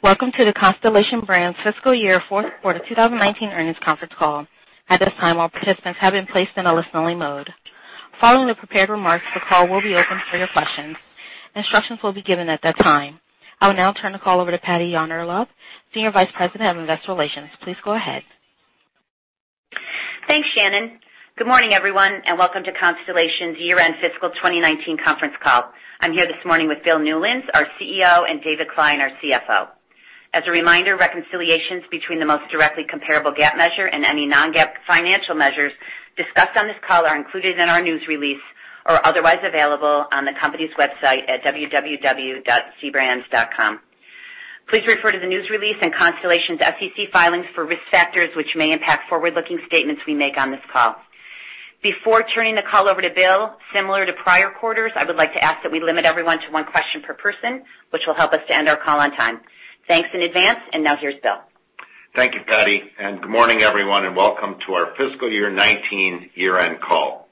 Welcome to the Constellation Brands' fiscal year fourth quarter 2019 earnings conference call. At this time, all participants have been placed in a listening mode. Following the prepared remarks, the call will be open for your questions. Instructions will be given at that time. I will now turn the call over to Patty Yahn-Urlaub, Senior Vice President of Investor Relations. Please go ahead. Thanks, Shannon. Good morning, everyone, and welcome to Constellation's year-end fiscal 2019 conference call. I am here this morning with Bill Newlands, our CEO, and David Klein, our CFO. As a reminder, reconciliations between the most directly comparable GAAP measure and any non-GAAP financial measures discussed on this call are included in our news release or otherwise available on the company's website at www.cbrands.com. Please refer to the news release and Constellation's SEC filings for risk factors, which may impact forward-looking statements we make on this call. Before turning the call over to Bill, similar to prior quarters, I would like to ask that we limit everyone to one question per person, which will help us to end our call on time. Thanks in advance. Now here's Bill. Thank you, Patty. Good morning, everyone, and welcome to our fiscal year 2019 year-end call.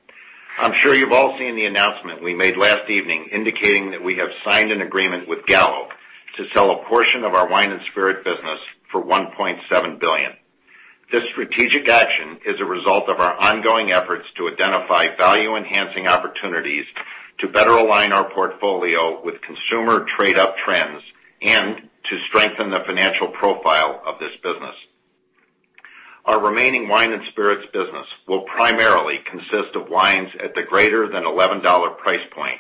I am sure you have all seen the announcement we made last evening indicating that we have signed an agreement with Gallo to sell a portion of our wine and spirits business for $1.7 billion. This strategic action is a result of our ongoing efforts to identify value-enhancing opportunities to better align our portfolio with consumer trade-up trends and to strengthen the financial profile of this business. Our remaining wine and spirits business will primarily consist of wines at the greater than $11 price point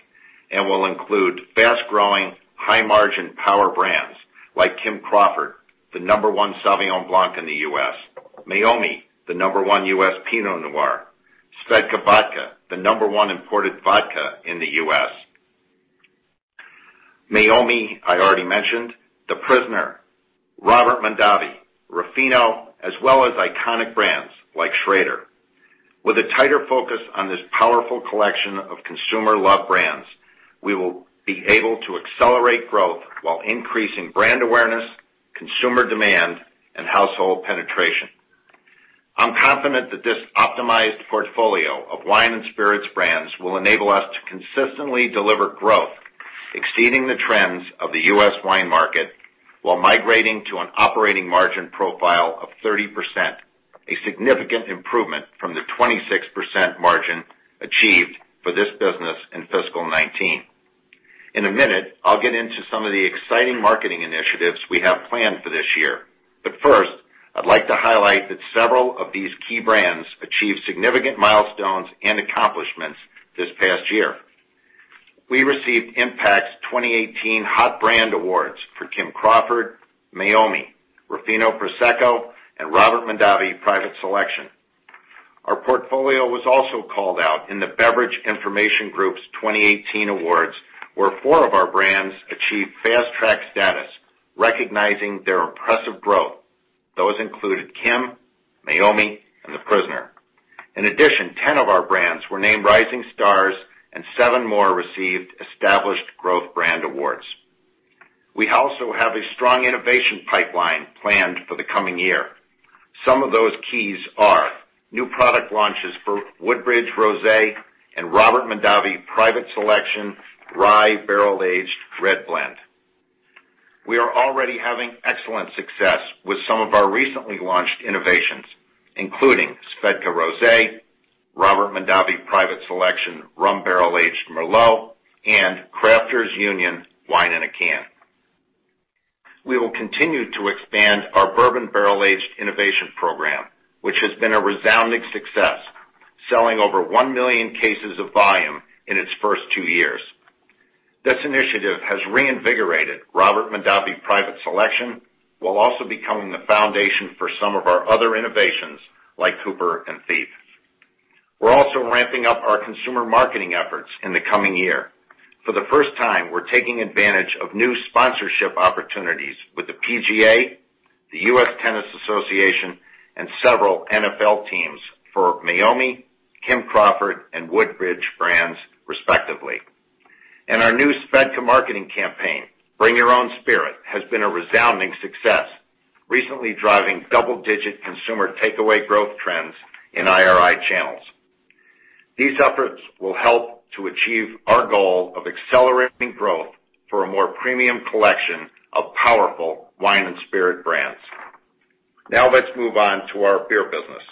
and will include fast-growing, high-margin power brands like Kim Crawford, the number one Sauvignon Blanc in the U.S., Meiomi, the number one U.S. Pinot Noir, SVEDKA Vodka, the number one imported vodka in the U.S. Meiomi, I already mentioned, The Prisoner, Robert Mondavi, Ruffino, As well as iconic brands like Schrader. With a tighter focus on this powerful collection of consumer-loved brands, we will be able to accelerate growth while increasing brand awareness, consumer demand, and household penetration. I am confident that this optimized portfolio of wine and spirits brands will enable us to consistently deliver growth exceeding the trends of the U.S. wine market while migrating to an operating margin profile of 30%, a significant improvement from the 26% margin achieved for this business in fiscal 2019. In a minute, I will get into some of the exciting marketing initiatives we have planned for this year. First, I would like to highlight that several of these key brands achieved significant milestones and accomplishments this past year. We received Impact's 2018 Hot Brand Awards for Kim Crawford, Meiomi, Ruffino Prosecco, and Robert Mondavi Private Selection. Our portfolio was also called out in the Beverage Information Group's 2018 awards, where four of our brands achieved Fast Track status, recognizing their impressive growth. Those included Kim, Meiomi, and The Prisoner. In addition, 10 of our brands were named Rising Stars and seven more received Established Growth Brand awards. We also have a strong innovation pipeline planned for the coming year. Some of those keys are new product launches for Woodbridge Rosé and Robert Mondavi Private Selection Rye Barrel-Aged Red Blend. We are already having excellent success with some of our recently launched innovations, including SVEDKA Rosé, Robert Mondavi Private Selection Rum Barrel-Aged Merlot, and Crafters Union Wine in a Can. We will continue to expand our Bourbon Barrel-Aged innovation program, which has been a resounding success, selling over 1 million cases of volume in its first two years. This initiative has reinvigorated Robert Mondavi Private Selection while also becoming the foundation for some of our other innovations like Cooper & Thief. We're also ramping up our consumer marketing efforts in the coming year. For the first time, we're taking advantage of new sponsorship opportunities with the PGA, the U.S. Tennis Association, and several NFL teams for Meiomi, Kim Crawford, and Woodbridge brands, respectively. Our new SVEDKA marketing campaign, Bring Your Own Spirit, has been a resounding success, recently driving double-digit consumer takeaway growth trends in IRI channels. These efforts will help to achieve our goal of accelerating growth for a more premium collection of powerful wine and spirit brands. Now let's move on to our beer business.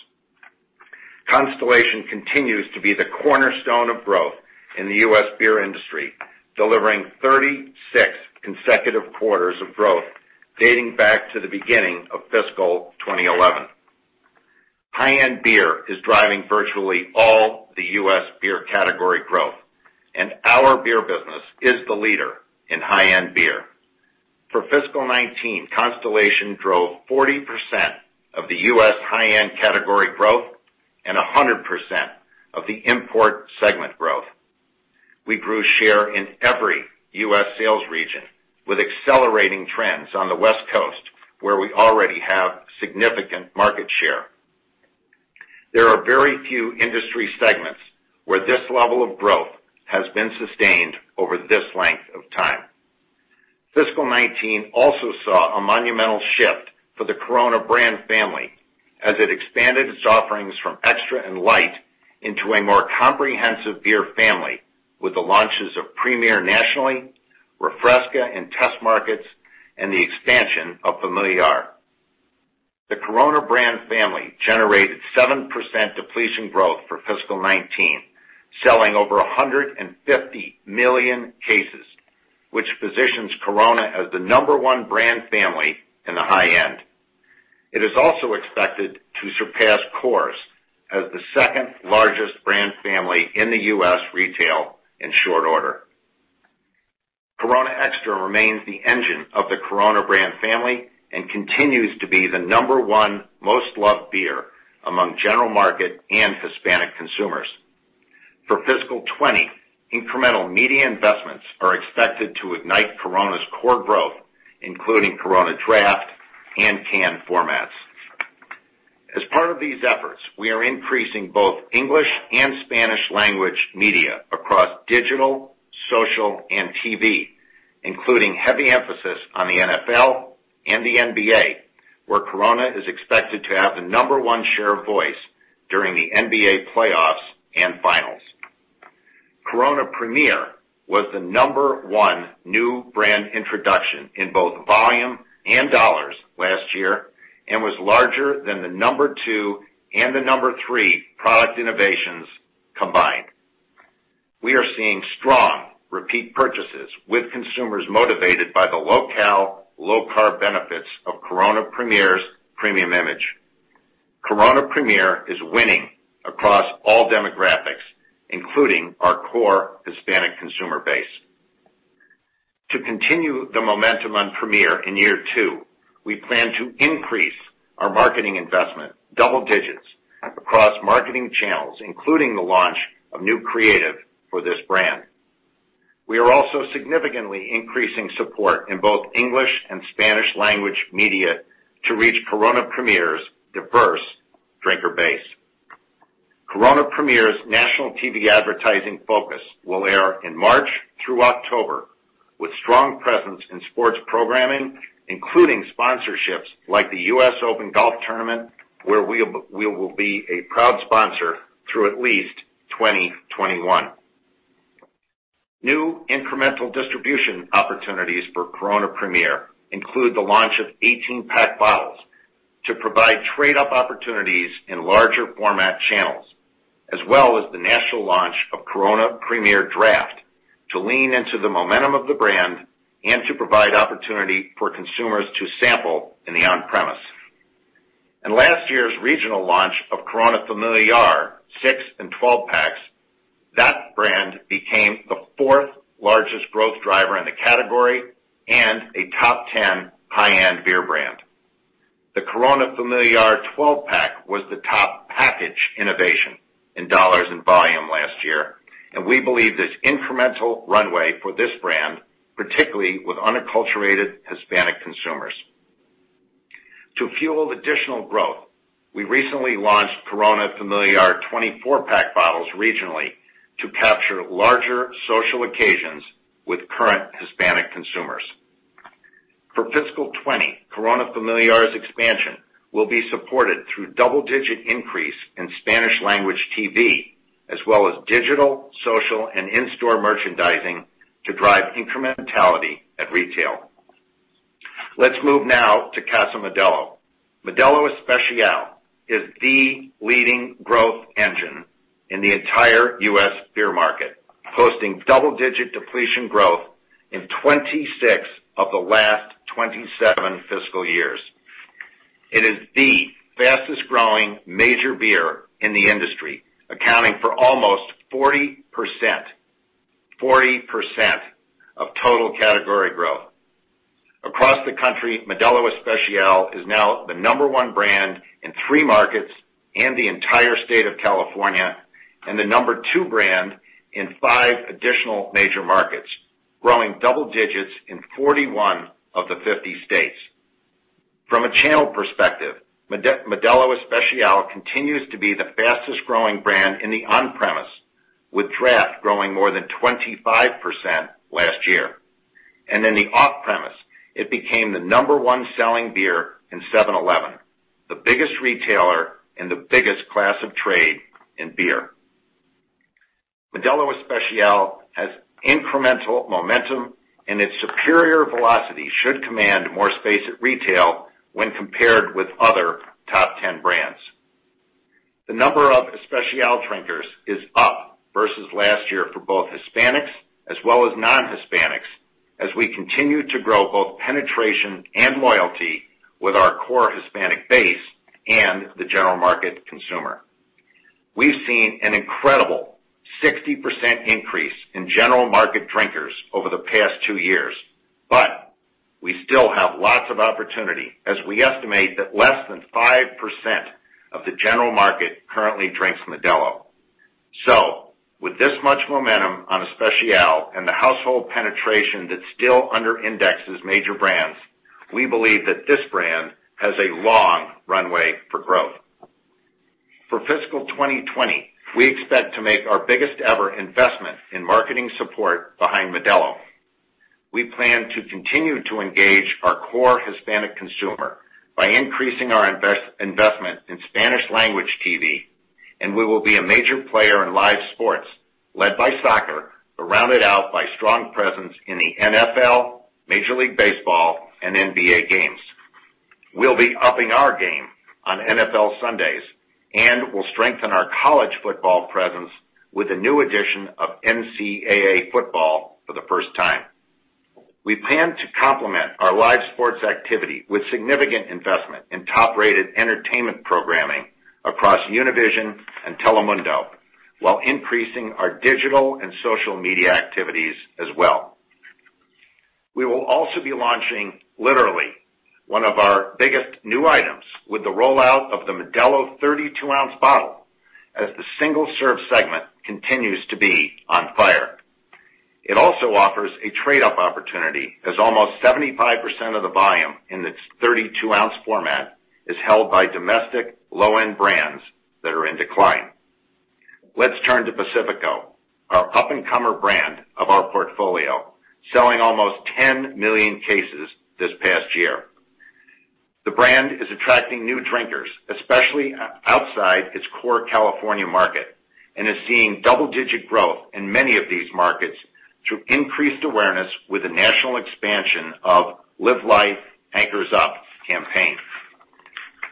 Constellation continues to be the cornerstone of growth in the U.S. beer industry, delivering 36 consecutive quarters of growth dating back to the beginning of fiscal 2011. High-end beer is driving virtually all the U.S. beer category growth, and our beer business is the leader in high-end beer. For fiscal 2019, Constellation drove 40% of the U.S. high-end category growth and 100% of the import segment growth. We grew share in every U.S. sales region with accelerating trends on the West Coast, where we already have significant market share. There are very few industry segments where this level of growth has been sustained over this length of time. Fiscal 2019 also saw a monumental shift for the Corona brand family as it expanded its offerings from Corona Extra and Corona Light into a more comprehensive beer family with the launches of Corona Premier nationally, Corona Refresca in test markets, and the expansion of Corona Familiar. The Corona brand family generated 7% depletion growth for fiscal 2019, selling over 150 million cases, which positions Corona as the number 1 brand family in the high end. It is also expected to surpass Coors as the second-largest brand family in the U.S. retail in short order. Corona Extra remains the engine of the Corona brand family and continues to be the number 1 most loved beer among general market and Hispanic consumers. For fiscal 2020, incremental media investments are expected to ignite Corona's core growth, including Corona draft and can formats. As part of these efforts, we are increasing both English and Spanish language media across digital, social, and TV, including heavy emphasis on the NFL and the NBA, where Corona is expected to have the number 1 share of voice during the NBA playoffs and finals. Corona Premier was the number one new brand introduction in both volume and dollars last year, was larger than the number two and the number three product innovations combined. We are seeing strong repeat purchases with consumers motivated by the low-cal, low-carb benefits of Corona Premier's premium image. Corona Premier is winning across all demographics, including our core Hispanic consumer base. To continue the momentum on Premier in year two, we plan to increase our marketing investment double digits across marketing channels, including the launch of new creative for this brand. We are also significantly increasing support in both English and Spanish language media to reach Corona Premier's diverse drinker base. Corona Premier's national TV advertising focus will air in March through October, with strong presence in sports programming, including sponsorships like the U.S. Open golf tournament, where we will be a proud sponsor through at least 2021. New incremental distribution opportunities for Corona Premier include the launch of 18-pack bottles to provide trade up opportunities in larger format channels, as well as the national launch of Corona Premier Draft to lean into the momentum of the brand and to provide opportunity for consumers to sample in the on-premise. In last year's regional launch of Corona Familiar six and 12 packs, that brand became the fourth largest growth driver in the category and a top 10 high-end beer brand. The Corona Familiar 12-pack was the top package innovation in dollars and volume last year, we believe there's incremental runway for this brand, particularly with unacculturated Hispanic consumers. To fuel additional growth, we recently launched Corona Familiar 24-pack bottles regionally to capture larger social occasions with current Hispanic consumers. For fiscal 2020, Corona Familiar's expansion will be supported through double-digit increase in Spanish language TV, as well as digital, social, in-store merchandising to drive incrementality at retail. Let's move now to Casa Modelo. Modelo Especial is the leading growth engine in the entire U.S. beer market, posting double-digit depletion growth in 26 of the last 27 fiscal years. It is the fastest-growing major beer in the industry, accounting for almost 40% of total category growth. Across the country, Modelo Especial is now the number one brand in three markets, the entire state of California, and the number two brand in five additional major markets, growing double digits in 41 of the 50 states. From a channel perspective, Modelo Especial continues to be the fastest-growing brand in the on-premise, with draft growing more than 25% last year. In the off-premise, it became the number one selling beer in 7-Eleven, the biggest retailer and the biggest class of trade in beer. Modelo Especial has incremental momentum, its superior velocity should command more space at retail when compared with other top 10 brands. The number of Especial drinkers is up versus last year for both Hispanics as well as non-Hispanics, as we continue to grow both penetration and loyalty with our core Hispanic base and the general market consumer. We've seen an incredible 60% increase in general market drinkers over the past two years, we still have lots of opportunity, as we estimate that less than 5% of the general market currently drinks Modelo. With this much momentum on Especial and the household penetration that still underindexes major brands, we believe that this brand has a long runway for growth. For fiscal 2020, we expect to make our biggest ever investment in marketing support behind Modelo. We plan to continue to engage our core Hispanic consumer by increasing our investment in Spanish language TV, and we will be a major player in live sports, led by soccer, but rounded out by strong presence in the NFL, Major League Baseball, and NBA games. We'll be upping our game on NFL Sundays, and we'll strengthen our college football presence with a new edition of NCAA football for the first time. We plan to complement our live sports activity with significant investment in top-rated entertainment programming across Univision and Telemundo, while increasing our digital and social media activities as well. We will also be launching, literally, one of our biggest new items with the rollout of the Modelo 32 ounce bottle, as the single-serve segment continues to be on fire. It also offers a trade-up opportunity, as almost 75% of the volume in its 32 ounce format is held by domestic, low-end brands that are in decline. Let's turn to Pacifico, our up-and-comer brand of our portfolio, selling almost 10 million cases this past year. The brand is attracting new drinkers, especially outside its core California market, and is seeing double-digit growth in many of these markets through increased awareness with the national expansion of Live Life Anchors Up campaign.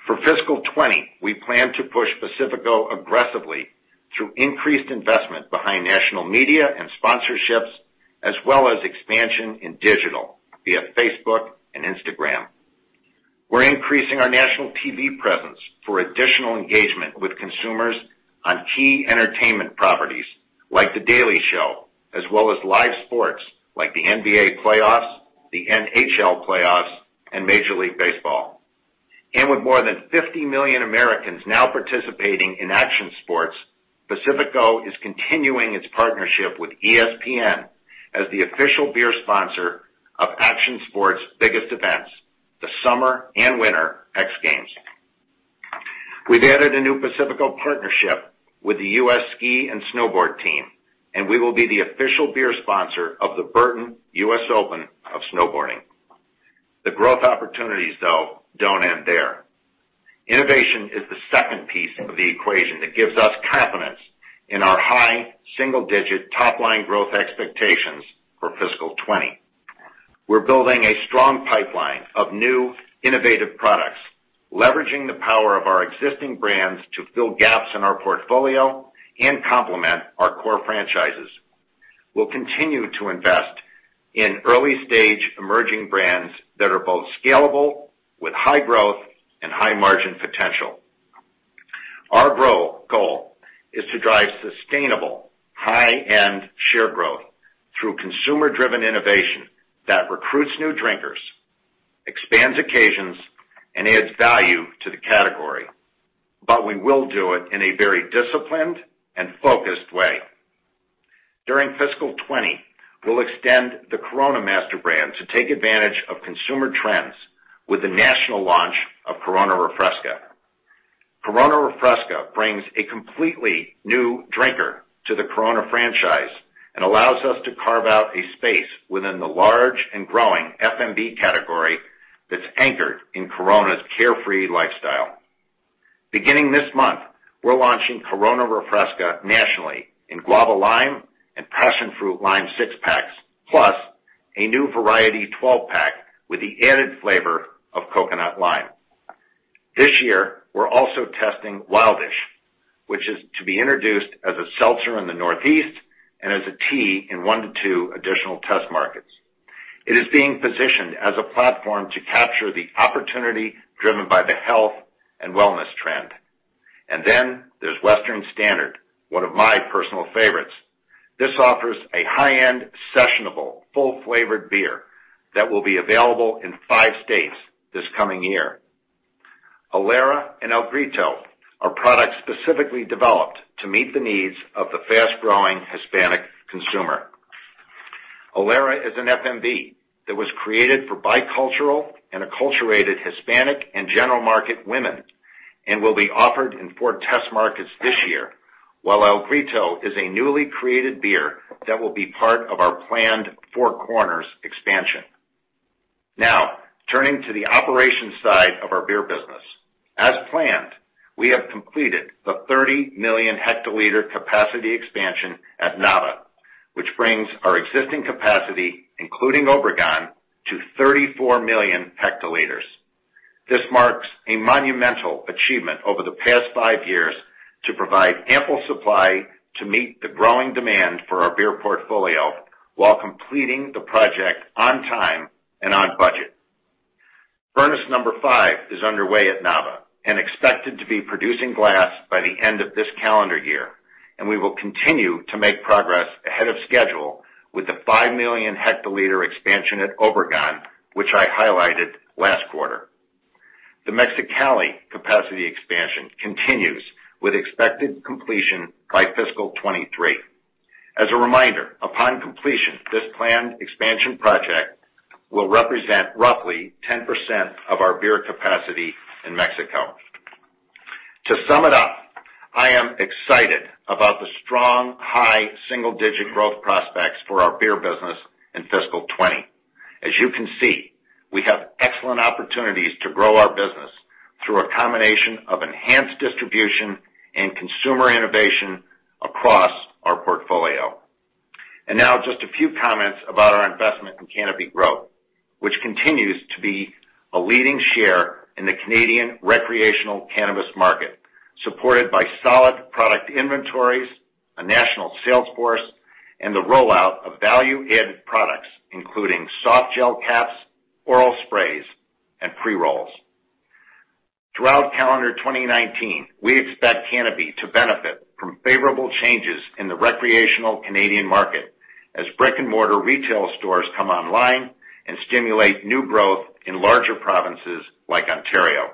For fiscal 2020, we plan to push Pacifico aggressively through increased investment behind national media and sponsorships, as well as expansion in digital via Facebook and Instagram. We're increasing our national TV presence for additional engagement with consumers on key entertainment properties, like "The Daily Show," as well as live sports like the NBA playoffs, the NHL playoffs, and Major League Baseball. With more than 50 million Americans now participating in action sports, Pacifico is continuing its partnership with ESPN as the official beer sponsor of action sports biggest events, the Summer and Winter X Games. We've added a new Pacifico partnership with the U.S. Ski & Snowboard team, and we will be the official beer sponsor of the Burton U.S. Open of Snowboarding. The growth opportunities, though, don't end there. Innovation is the second piece of the equation that gives us confidence in our high, single-digit, top-line growth expectations for fiscal 2020. We're building a strong pipeline of new innovative products, leveraging the power of our existing brands to fill gaps in our portfolio and complement our core franchises. We'll continue to invest in early-stage emerging brands that are both scalable with high growth and high margin potential. Our goal is to drive sustainable, high-end share growth through consumer-driven innovation that recruits new drinkers, expands occasions, and adds value to the category. We will do it in a very disciplined and focused way. During fiscal 2020, we'll extend the Corona master brand to take advantage of consumer trends with the national launch of Corona Refresca. Corona Refresca brings a completely new drinker to the Corona franchise and allows us to carve out a space within the large and growing FMB category that's anchored in Corona's carefree lifestyle. Beginning this month, we're launching Corona Refresca nationally in guava lime and passion fruit lime six-packs, plus a new variety twelve-pack with the added flavor of coconut lime. This year, we're also testing Wildish, which is to be introduced as a seltzer in the Northeast and as a tea in one to two additional test markets. It is being positioned as a platform to capture the opportunity driven by the health and wellness trend. There's Western Standard, one of my personal favorites. This offers a high-end, sessionable, full-flavored beer that will be available in five states this coming year. Alera and El Grito are products specifically developed to meet the needs of the fast-growing Hispanic consumer. Alera is an FMB that was created for bicultural and acculturated Hispanic and general market women and will be offered in four test markets this year. While El Grito is a newly created beer that will be part of our planned Four Corners expansion. Turning to the operations side of our beer business. As planned, we have completed the 30 million hectoliter capacity expansion at Nava, which brings our existing capacity, including Obregon, to 34 million hectoliters. This marks a monumental achievement over the past five years to provide ample supply to meet the growing demand for our beer portfolio while completing the project on time and on budget. Furnace number five is underway at Nava and expected to be producing glass by the end of this calendar year, and we will continue to make progress ahead of schedule with the 5 million hectoliter expansion at Obregon, which I highlighted last quarter. The Mexicali capacity expansion continues with expected completion by fiscal 2023. As a reminder, upon completion, this planned expansion project will represent roughly 10% of our beer capacity in Mexico. To sum it up, I am excited about the strong, high single-digit growth prospects for our beer business in fiscal 2020. As you can see, we have excellent opportunities to grow our business through a combination of enhanced distribution and consumer innovation across our portfolio. Just a few comments about our investment in Canopy Growth, which continues to be a leading share in the Canadian recreational cannabis market, supported by solid product inventories, a national sales force, and the rollout of value-added products, including soft gel caps, oral sprays, and pre-rolls. Throughout calendar 2019, we expect Canopy to benefit from favorable changes in the recreational Canadian market as brick-and-mortar retail stores come online and stimulate new growth in larger provinces like Ontario.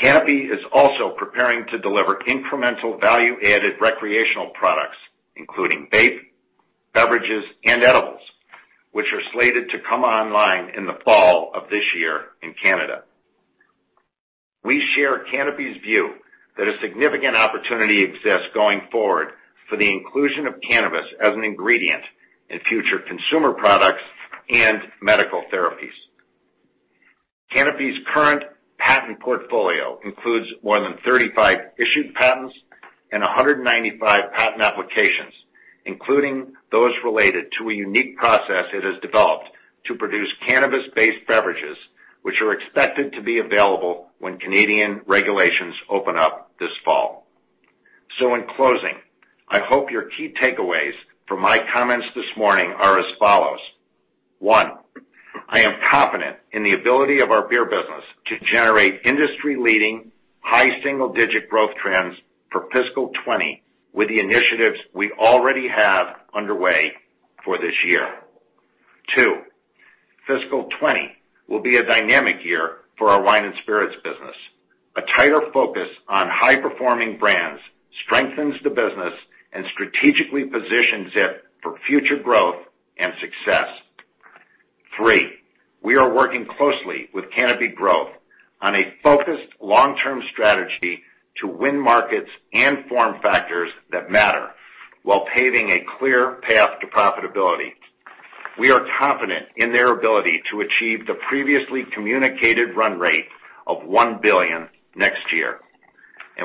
Canopy is also preparing to deliver incremental value-added recreational products, including vape, beverages, and edibles, which are slated to come online in the fall of this year in Canada. We share Canopy's view that a significant opportunity exists going forward for the inclusion of cannabis as an ingredient in future consumer products and medical therapies. Canopy's current patent portfolio includes more than 35 issued patents and 195 patent applications, including those related to a unique process it has developed to produce cannabis-based beverages, which are expected to be available when Canadian regulations open up this fall. In closing, I hope your key takeaways from my comments this morning are as follows. One, I am confident in the ability of our beer business to generate industry-leading, high single-digit growth trends for fiscal 2020 with the initiatives we already have underway for this year. Two, fiscal 2020 will be a dynamic year for our wine and spirits business. A tighter focus on high-performing brands strengthens the business and strategically positions it for future growth and success. Three, we are working closely with Canopy Growth on a focused long-term strategy to win markets and form factors that matter while paving a clear path to profitability. We are confident in their ability to achieve the previously communicated run rate of $1 billion next year.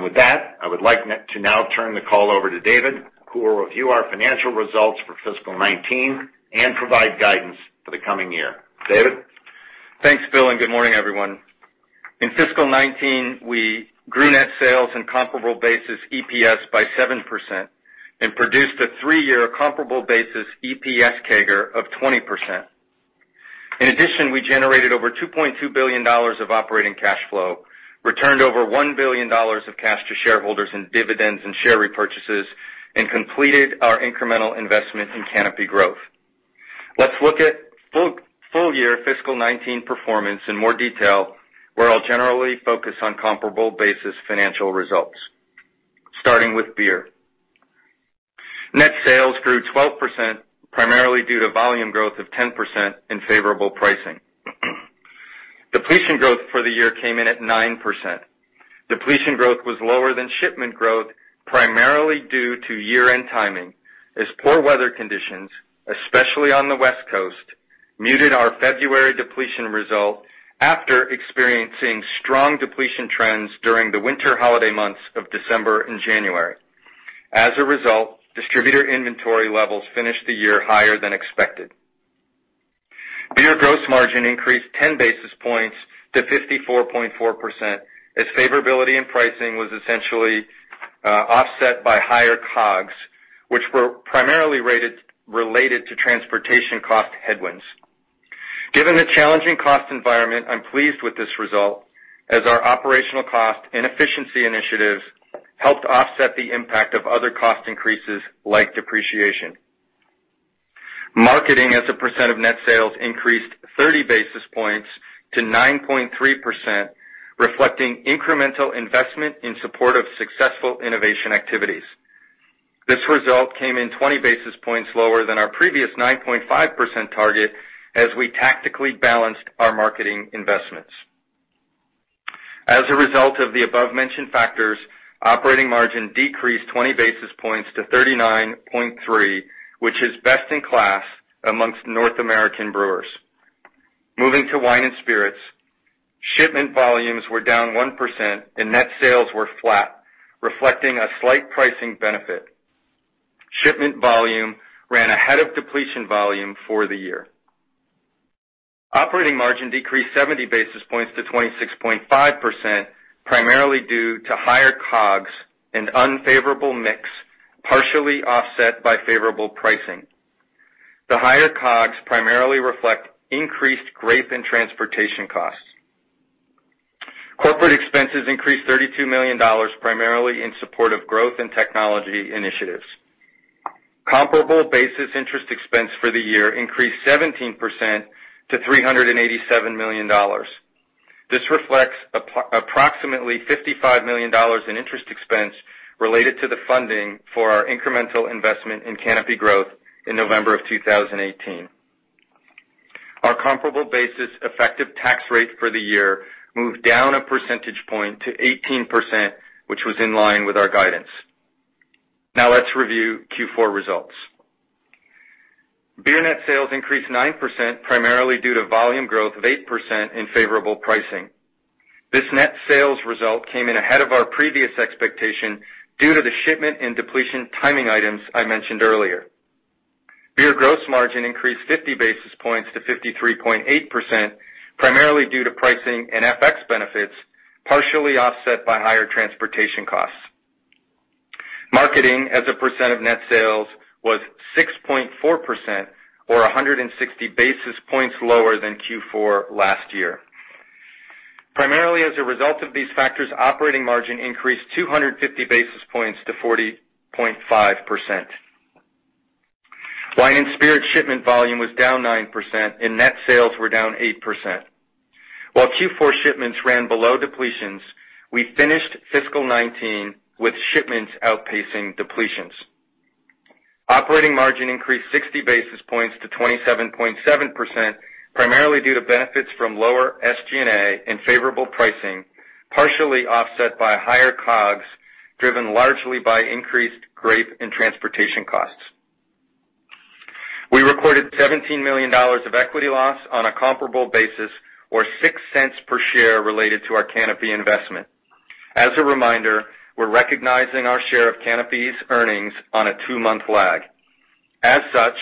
With that, I would like to now turn the call over to David, who will review our financial results for fiscal 2019 and provide guidance for the coming year. David? Thanks, Bill, good morning, everyone. In fiscal 2019, we grew net sales and comparable basis EPS by 7% and produced a three-year comparable basis EPS CAGR of 20%. In addition, we generated over $2.2 billion of operating cash flow, returned over $1 billion of cash to shareholders in dividends and share repurchases, and completed our incremental investment in Canopy Growth. Let's look at full year fiscal 2019 performance in more detail, where I'll generally focus on comparable basis financial results. Starting with beer. Net sales grew 12%, primarily due to volume growth of 10% and favorable pricing. Depletion growth for the year came in at 9%. Depletion growth was lower than shipment growth, primarily due to year-end timing, as poor weather conditions, especially on the West Coast, muted our February depletion result after experiencing strong depletion trends during the winter holiday months of December and January. As a result, distributor inventory levels finished the year higher than expected. Beer gross margin increased 10 basis points to 54.4% as favorability in pricing was essentially offset by higher COGS, which were primarily related to transportation cost headwinds. Given the challenging cost environment, I'm pleased with this result, as our operational cost and efficiency initiatives helped offset the impact of other cost increases like depreciation. Marketing as a percent of net sales increased 30 basis points to 9.3%, reflecting incremental investment in support of successful innovation activities. This result came in 20 basis points lower than our previous 9.5% target as we tactically balanced our marketing investments. As a result of the above-mentioned factors, operating margin decreased 20 basis points to 39.3%, which is best in class amongst North American brewers. Moving to wine and spirits, shipment volumes were down 1% and net sales were flat, reflecting a slight pricing benefit. Shipment volume ran ahead of depletion volume for the year. Operating margin decreased 70 basis points to 26.5%, primarily due to higher COGS and unfavorable mix, partially offset by favorable pricing. The higher COGS primarily reflect increased grape and transportation costs. Corporate expenses increased $32 million, primarily in support of growth and technology initiatives. Comparable basis interest expense for the year increased 17% to $387 million. This reflects approximately $55 million in interest expense related to the funding for our incremental investment in Canopy Growth in November 2018. Our comparable basis effective tax rate for the year moved down a percentage point to 18%, which was in line with our guidance. Now let's review Q4 results. Beer net sales increased 9%, primarily due to volume growth of 8% in favorable pricing. This net sales result came in ahead of our previous expectation due to the shipment and depletion timing items I mentioned earlier. Beer gross margin increased 50 basis points to 53.8%, primarily due to pricing and FX benefits, partially offset by higher transportation costs. Marketing as a percent of net sales was 6.4%, or 160 basis points lower than Q4 last year. Primarily as a result of these factors, operating margin increased 250 basis points to 40.5%. Wine and spirits shipment volume was down 9%, and net sales were down 8%. While Q4 shipments ran below depletions, we finished fiscal 2019 with shipments outpacing depletions. Operating margin increased 60 basis points to 27.7%, primarily due to benefits from lower SG&A and favorable pricing, partially offset by higher COGS, driven largely by increased grape and transportation costs. We recorded $17 million of equity loss on a comparable basis, or $0.06 per share related to our Canopy investment. As a reminder, we're recognizing our share of Canopy's earnings on a two-month lag. As such,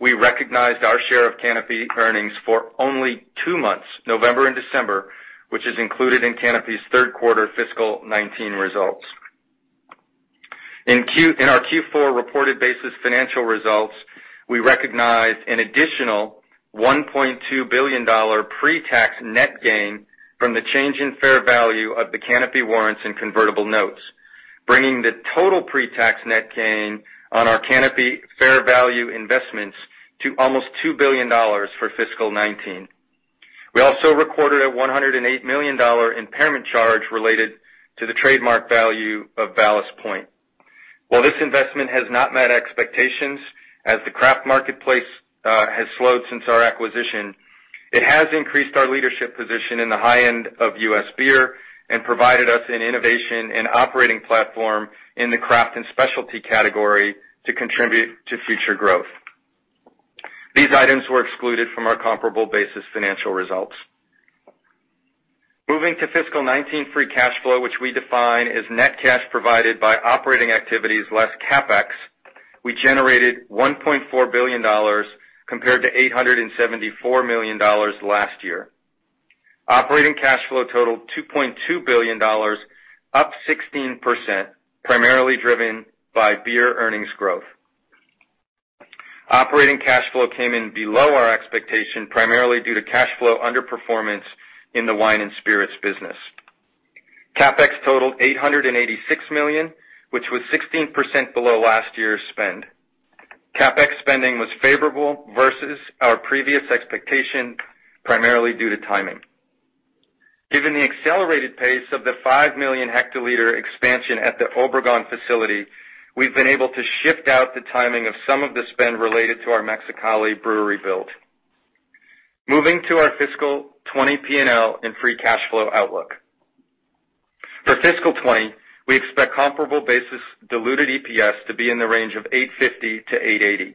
we recognized our share of Canopy earnings for only two months, November and December, which is included in Canopy's third quarter fiscal 2019 results. In our Q4 reported basis financial results, we recognized an additional $1.2 billion pre-tax net gain from the change in fair value of the Canopy warrants and convertible notes, bringing the total pre-tax net gain on our Canopy fair value investments to almost $2 billion for fiscal 2019. We also recorded a $108 million impairment charge related to the trademark value of Ballast Point. While this investment has not met expectations, as the craft marketplace has slowed since our acquisition, it has increased our leadership position in the high-end of U.S. beer and provided us an innovation and operating platform in the craft and specialty category to contribute to future growth. These items were excluded from our comparable basis financial results. Moving to fiscal 2019 free cash flow, which we define as net cash provided by operating activities less CapEx, we generated $1.4 billion, compared to $874 million last year. Operating cash flow totaled $2.2 billion, up 16%, primarily driven by beer earnings growth. Operating cash flow came in below our expectation, primarily due to cash flow underperformance in the wine and spirits business. CapEx totaled $886 million, which was 16% below last year's spend. CapEx spending was favorable versus our previous expectation, primarily due to timing. Given the accelerated pace of the 5 million hectoliter expansion at the Obregon facility, we've been able to shift out the timing of some of the spend related to our Mexicali brewery build. Moving to our fiscal 2020 P&L and free cash flow outlook. For fiscal 2020, we expect comparable basis diluted EPS to be in the range of $8.50-$8.80.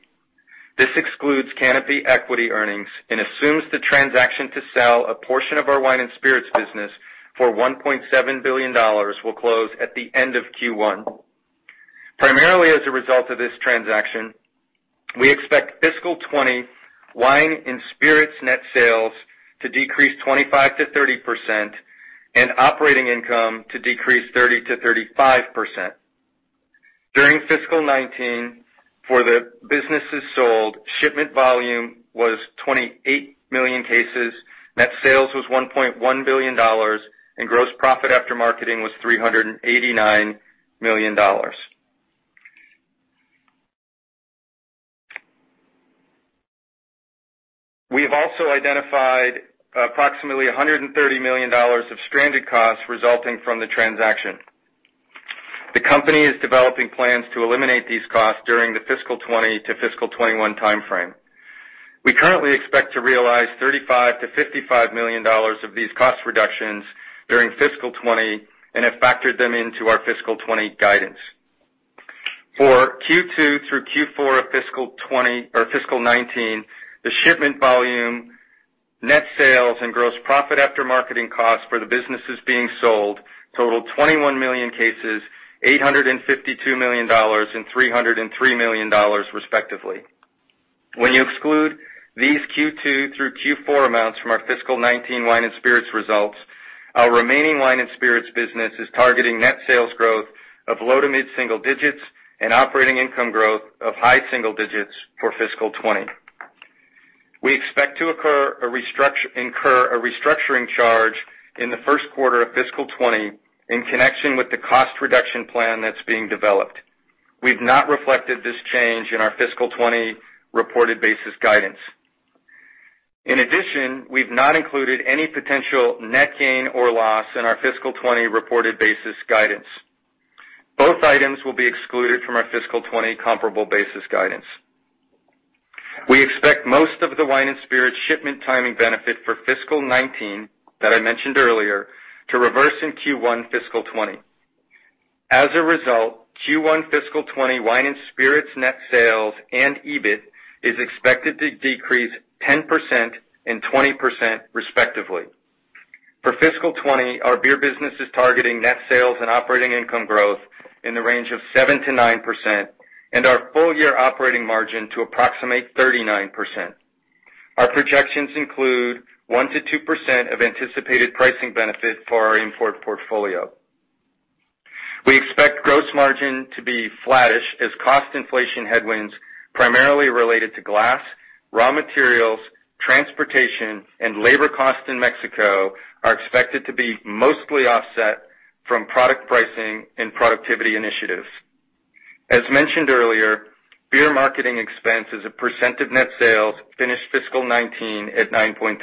This excludes Canopy equity earnings and assumes the transaction to sell a portion of our wine and spirits business for $1.7 billion will close at the end of Q1. Primarily as a result of this transaction, we expect fiscal 2020 wine and spirits net sales to decrease 25%-30% and operating income to decrease 30%-35%. During fiscal 2019, for the businesses sold, shipment volume was 28 million cases, net sales was $1.1 billion, and gross profit after marketing was $389 million. We have also identified approximately $130 million of stranded costs resulting from the transaction. The company is developing plans to eliminate these costs during the fiscal 2020 to fiscal 2021 timeframe. We currently expect to realize $35 million-$55 million of these cost reductions during fiscal 2020 and have factored them into our fiscal 2020 guidance. For Q2 through Q4 of fiscal 2019, the shipment volume, net sales, and gross profit after marketing costs for the businesses being sold totaled 21 million cases, $852 million, and $303 million respectively. When you exclude these Q2 through Q4 amounts from our fiscal 2019 wine and spirits results, our remaining wine and spirits business is targeting net sales growth of low to mid-single digits and operating income growth of high single digits for fiscal 2020. We expect to incur a restructuring charge in the first quarter of fiscal 2020 in connection with the cost reduction plan that's being developed. We've not reflected this change in our fiscal 2020 reported basis guidance. In addition, we've not included any potential net gain or loss in our fiscal 2020 reported basis guidance. Both items will be excluded from our fiscal 2020 comparable basis guidance. We expect most of the wine and spirit shipment timing benefit for fiscal 2019, that I mentioned earlier, to reverse in Q1 fiscal 2020. As a result, Q1 fiscal 2020 wine and spirits net sales and EBIT is expected to decrease 10% and 20% respectively. For fiscal 2020, our beer business is targeting net sales and operating income growth in the range of 7%-9%, and our full-year operating margin to approximate 39%. Our projections include 1%-2% of anticipated pricing benefit for our import portfolio. We expect gross margin to be flattish as cost inflation headwinds, primarily related to glass, raw materials, transportation, and labor cost in Mexico, are expected to be mostly offset from product pricing and productivity initiatives. As mentioned earlier, beer marketing expense as a percent of net sales finished fiscal 2019 at 9.3%.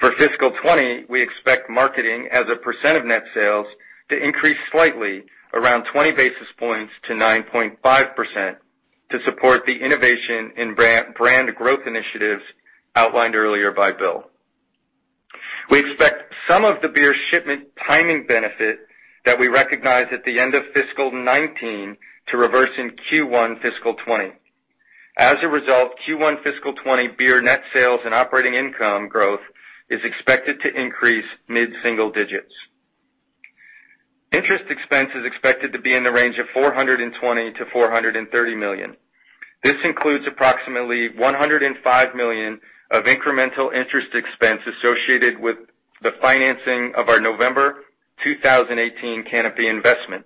For fiscal 2020, we expect marketing as a percent of net sales to increase slightly, around 20 basis points to 9.5%, to support the innovation in brand growth initiatives outlined earlier by Bill. We expect some of the beer shipment timing benefit that we recognized at the end of fiscal 2019 to reverse in Q1 fiscal 2020. As a result, Q1 fiscal 2020 beer net sales and operating income growth is expected to increase mid-single digits. Interest expense is expected to be in the range of $420 million-$430 million. This includes approximately $105 million of incremental interest expense associated with the financing of our November 2018 Canopy investment.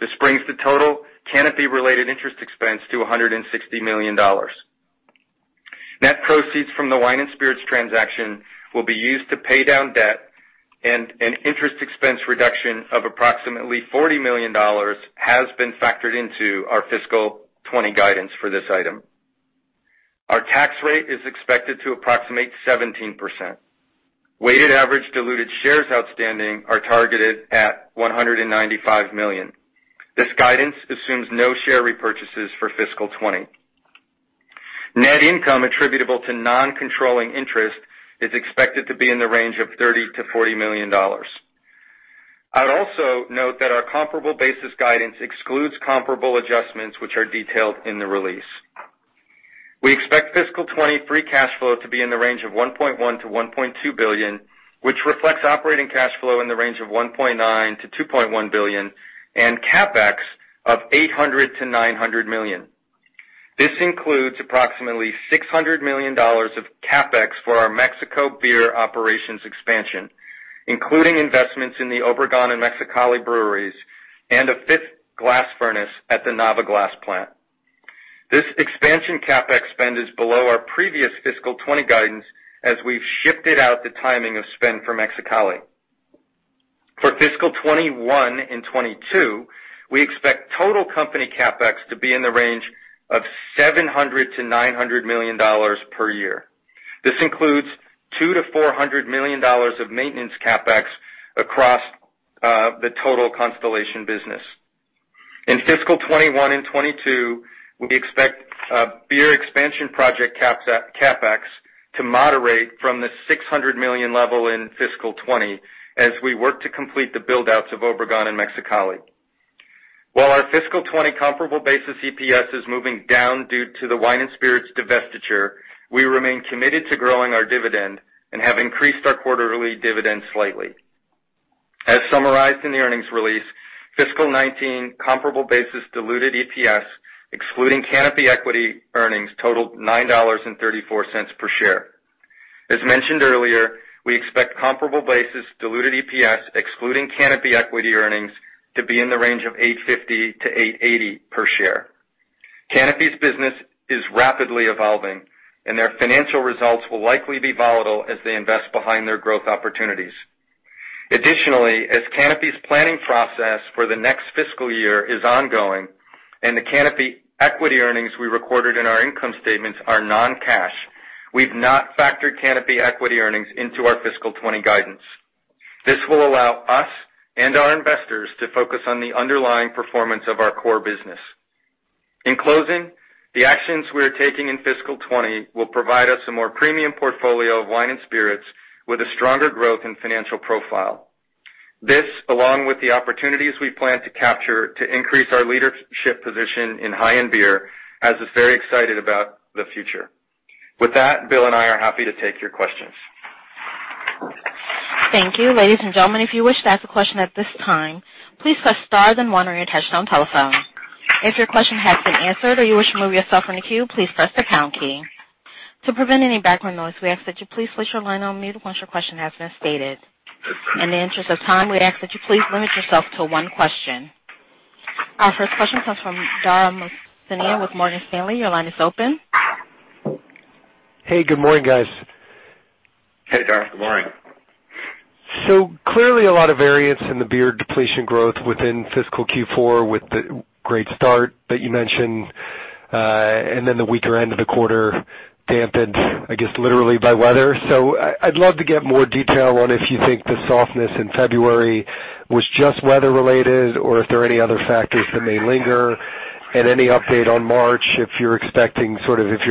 This brings the total Canopy-related interest expense to $160 million. Net proceeds from the wine and spirits transaction will be used to pay down debt, and an interest expense reduction of approximately $40 million has been factored into our fiscal 2020 guidance for this item. Our tax rate is expected to approximate 17%. Weighted average diluted shares outstanding are targeted at 195 million. This guidance assumes no share repurchases for fiscal 2020. Net income attributable to non-controlling interest is expected to be in the range of $30 million-$40 million. I'd also note that our comparable basis guidance excludes comparable adjustments, which are detailed in the release. We expect fiscal 2020 free cash flow to be in the range of $1.1 billion-$1.2 billion, which reflects operating cash flow in the range of $1.9 billion-$2.1 billion, and CapEx of $800 million-$900 million. This includes approximately $600 million of CapEx for our Mexico beer operations expansion, including investments in the Obregon and Mexicali breweries, and a fifth glass furnace at the Nava glass plant. This expansion CapEx spend is below our previous fiscal 2020 guidance, as we've shifted out the timing of spend for Mexicali. For fiscal 2021 and 2022, we expect total company CapEx to be in the range of $700 million-$900 million per year. This includes $200 million-$400 million of maintenance CapEx across the total Constellation business. In fiscal 2021 and 2022, we expect beer expansion project CapEx to moderate from the $600 million level in fiscal 2020 as we work to complete the build-outs of Obregon and Mexicali. While our fiscal 2020 comparable basis EPS is moving down due to the wine and spirits divestiture, we remain committed to growing our dividend and have increased our quarterly dividend slightly. As summarized in the earnings release, fiscal 2019 comparable basis diluted EPS, excluding Canopy equity earnings, totaled $9.34 per share. As mentioned earlier, we expect comparable basis diluted EPS, excluding Canopy equity earnings, to be in the range of $8.50-$8.80 per share. Canopy's business is rapidly evolving, and their financial results will likely be volatile as they invest behind their growth opportunities. Additionally, as Canopy's planning process for the next fiscal year is ongoing and the Canopy equity earnings we recorded in our income statements are non-cash, we've not factored Canopy equity earnings into our fiscal 2020 guidance. This will allow us and our investors to focus on the underlying performance of our core business. In closing, the actions we are taking in fiscal 2020 will provide us a more premium portfolio of wine and spirits with a stronger growth and financial profile. This, along with the opportunities we plan to capture to increase our leadership position in high-end beer, has us very excited about the future. With that, Bill and I are happy to take your questions. Thank you. Ladies and gentlemen, if you wish to ask a question at this time, please press star then one on your touchtone telephone. If your question has been answered or you wish to remove yourself from the queue, please press the pound key. To prevent any background noise, we ask that you please place your line on mute once your question has been stated. In the interest of time, we ask that you please limit yourself to one question. Our first question comes from Dara Mohsenian with Morgan Stanley. Your line is open. Hey, good morning, guys. Hey, Dara. Good morning. Clearly a lot of variance in the beer depletion growth within fiscal Q4 with the great start that you mentioned, and then the weaker end of the quarter dampened, I guess, literally by weather. I'd love to get more detail on if you think the softness in February was just weather-related, or if there are any other factors that may linger, and any update on March, if you're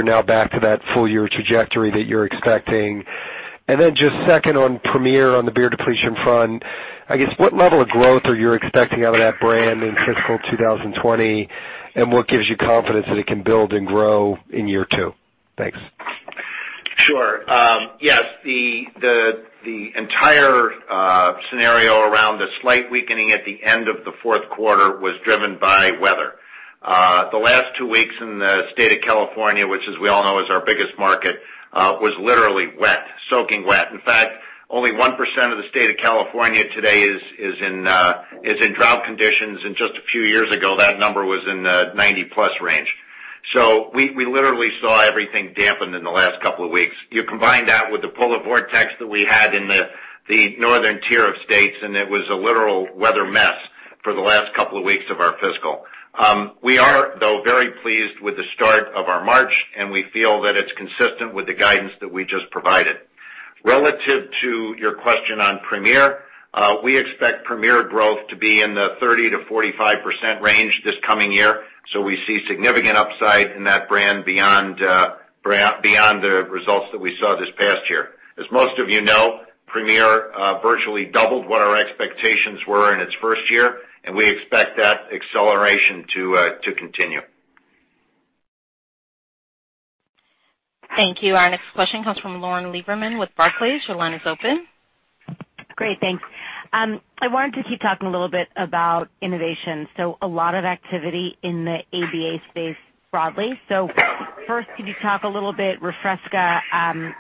now back to that full year trajectory that you're expecting. Then just second on Premier, on the beer depletion front, I guess, what level of growth are you expecting out of that brand in fiscal 2020, and what gives you confidence that it can build and grow in year two? Thanks. Sure. Yes, the entire scenario around the slight weakening at the end of the fourth quarter was driven by weather. The last two weeks in the state of California, which as we all know, is our biggest market, was literally wet, soaking wet. In fact, only 1% of the state of California today is in drought conditions, and just a few years ago, that number was in the 90-plus range. We literally saw everything dampened in the last couple of weeks. You combine that with the polar vortex that we had in the northern tier of states, and it was a literal weather mess for the last couple of weeks of our fiscal. We are, though, very pleased with the start of our March, and we feel that it's consistent with the guidance that we just provided. Relative to your question on Premier, we expect Premier growth to be in the 30%-45% range this coming year. We see significant upside in that brand beyond the results that we saw this past year. As most of you know, Premier virtually doubled what our expectations were in its first year, and we expect that acceleration to continue. Thank you. Our next question comes from Lauren Lieberman with Barclays. Your line is open. Great. Thanks. I wanted to keep talking a little bit about innovation. First, could you talk a little bit Refresca?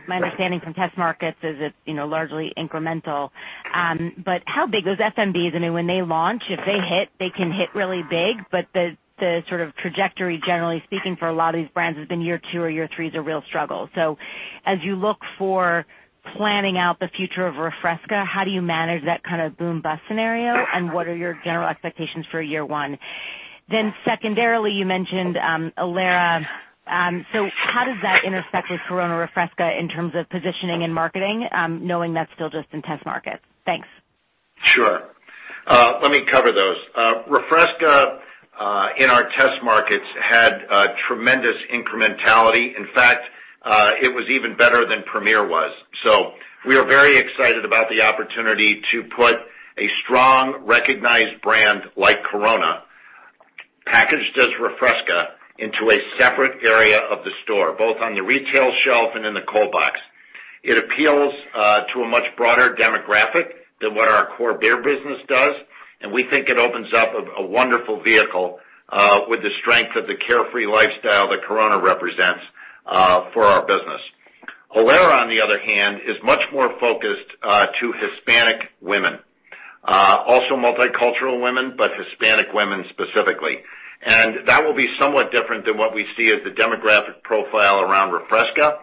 My understanding from test markets is it's largely incremental. How big those FMBs, and then when they launch, if they hit, they can hit really big, but the sort of trajectory, generally speaking, for a lot of these brands has been year two or year three is a real struggle. As you look for planning out the future of Refresca, how do you manage that kind of boom bust scenario, and what are your general expectations for year one? Secondarily, you mentioned Alera. How does that intersect with Corona Refresca in terms of positioning and marketing, knowing that's still just in test markets? Thanks. Sure. Let me cover those. Refresca, in our test markets, had a tremendous incrementality. In fact, it was even better than Premier was. We are very excited about the opportunity to put a strong, recognized brand like Corona, packaged as Refresca, into a separate area of the store, both on the retail shelf and in the cold box. It appeals to a much broader demographic than what our core beer business does, and we think it opens up a wonderful vehicle, with the strength of the carefree lifestyle that Corona represents, for our business. Alera, on the other hand, is much more focused to Hispanic women. Also multicultural women, but Hispanic women specifically. That will be somewhat different than what we see as the demographic profile around Refresca.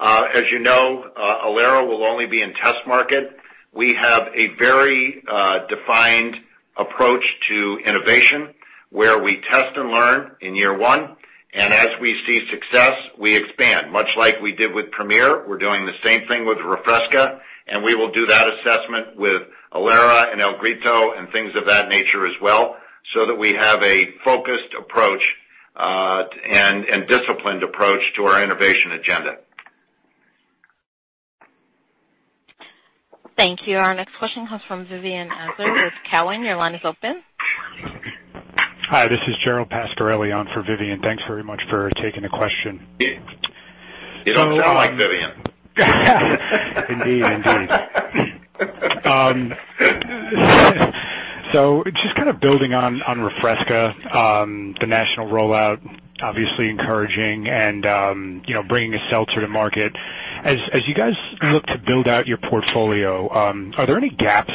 As you know, Alera will only be in test market. We have a very defined approach to innovation, where we test and learn in year one, and as we see success, we expand. Much like we did with Premier, we're doing the same thing with Refresca, and we will do that assessment with Alera and El Grito and things of that nature as well, so that we have a focused approach, and disciplined approach to our innovation agenda. Thank you. Our next question comes from Vivien Azer with Cowen. Your line is open. Hi, this is Gerald Pascarelli on for Vivien. Thanks very much for taking the question. You don't sound like Vivien. Indeed. Just kind of building on Refresca, the national rollout, obviously encouraging and bringing a seltzer to market. As you guys look to build out your portfolio, are there any gaps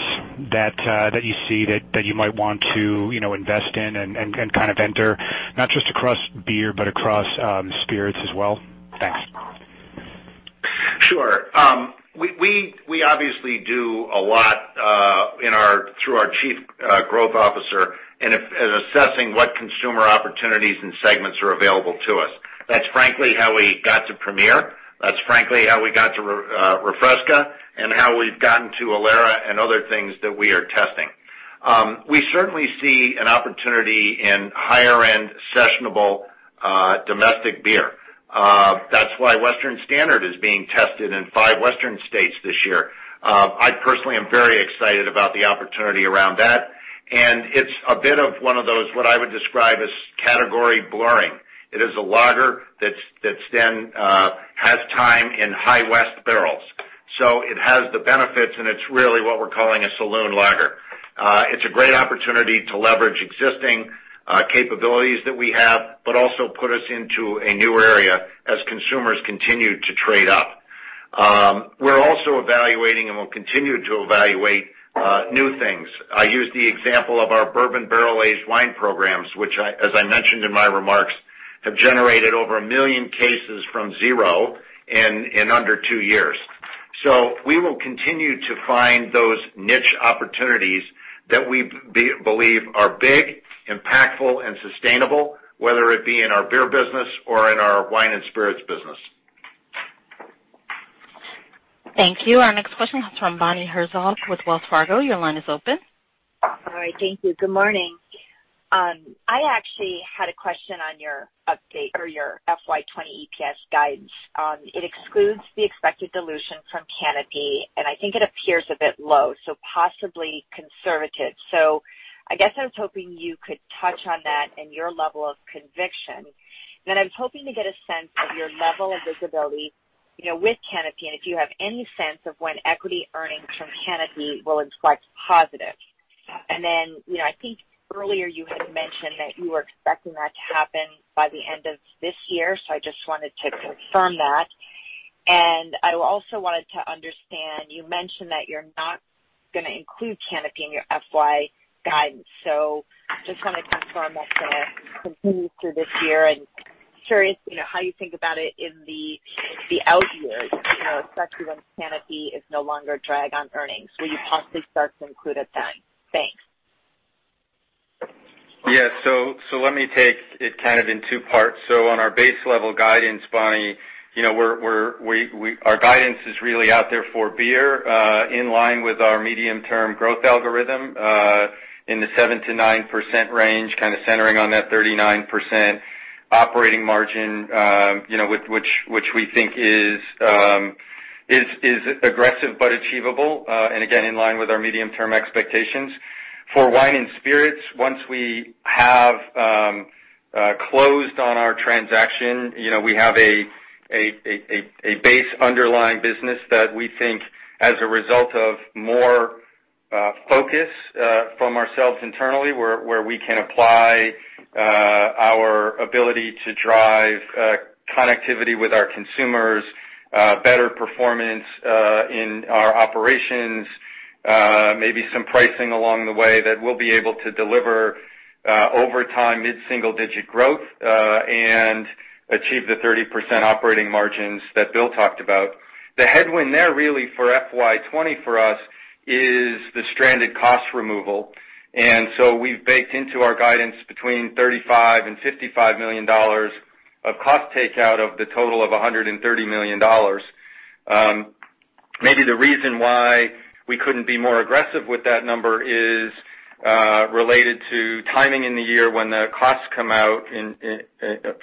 that you see that you might want to invest in and kind of enter, not just across beer, but across spirits as well? Thanks. Sure. We obviously do a lot through our chief growth officer in assessing what consumer opportunities and segments are available to us. That's frankly how we got to Premier, that's frankly how we got to Refresca, and how we've gotten to Alera and other things that we are testing. We certainly see an opportunity in higher-end sessionable domestic beer. That's why Western Standard is being tested in five Western states this year. I personally am very excited about the opportunity around that, and it's a bit of one of those, what I would describe as category blurring. It is a lager that then has time in High West barrels. It has the benefits, and it's really what we're calling a saloon lager. It's a great opportunity to leverage existing capabilities that we have, but also put us into a new area as consumers continue to trade up We're also evaluating and will continue to evaluate new things. I use the example of our bourbon barrel-aged wine programs, which as I mentioned in my remarks, have generated over a million cases from zero in under two years. We will continue to find those niche opportunities that we believe are big, impactful and sustainable, whether it be in our beer business or in our wine and spirits business. Thank you. Our next question is from Bonnie Herzog with Wells Fargo. Your line is open. All right. Thank you. Good morning. I actually had a question on your update or your FY 2020 EPS guidance. It excludes the expected dilution from Canopy, and I think it appears a bit low, so possibly conservative. I guess I was hoping you could touch on that and your level of conviction. I was hoping to get a sense of your level of visibility with Canopy, and if you have any sense of when equity earnings from Canopy will reflect positive. I think earlier you had mentioned that you were expecting that to happen by the end of this year, so I just wanted to confirm that. I also wanted to understand, you mentioned that you are not going to include Canopy in your FY guidance, so just want to confirm that is going to continue through this year. Curious, how you think about it in the out years, especially when Canopy is no longer a drag on earnings. Will you possibly start to include it then? Thanks. Yeah. Let me take it in two parts. On our base level guidance, Bonnie Herzog, our guidance is really out there for beer, in line with our medium-term growth algorithm, in the 7%-9% range, kind of centering on that 39% operating margin, which we think is aggressive but achievable. Again, in line with our medium-term expectations. For wine and spirits, once we have closed on our transaction, we have a base underlying business that we think as a result of more focus from ourselves internally, where we can apply our ability to drive connectivity with our consumers, better performance in our operations, maybe some pricing along the way that we will be able to deliver over time, mid-single digit growth, and achieve the 30% operating margins that Bill Newlands talked about. The headwind there really for FY 2020 for us is the stranded cost removal. We have baked into our guidance between $35 million and $55 million of cost takeout of the total of $130 million. Maybe the reason why we could not be more aggressive with that number is related to timing in the year when the costs come out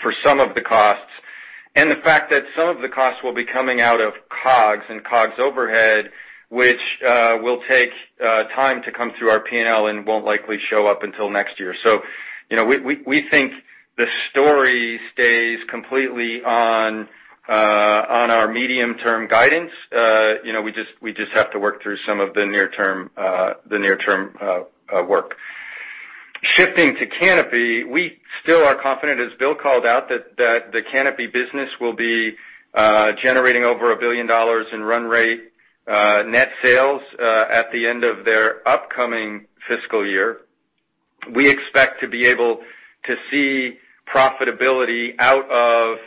for some of the costs, and the fact that some of the costs will be coming out of COGS and COGS overhead, which will take time to come through our P&L and will not likely show up until next year. We think the story stays completely on our medium-term guidance. We just have to work through some of the near-term work. Shifting to Canopy, we still are confident, as Bill Newlands called out, that the Canopy business will be generating over $1 billion in run rate net sales at the end of their upcoming fiscal year. We expect to be able to see profitability out of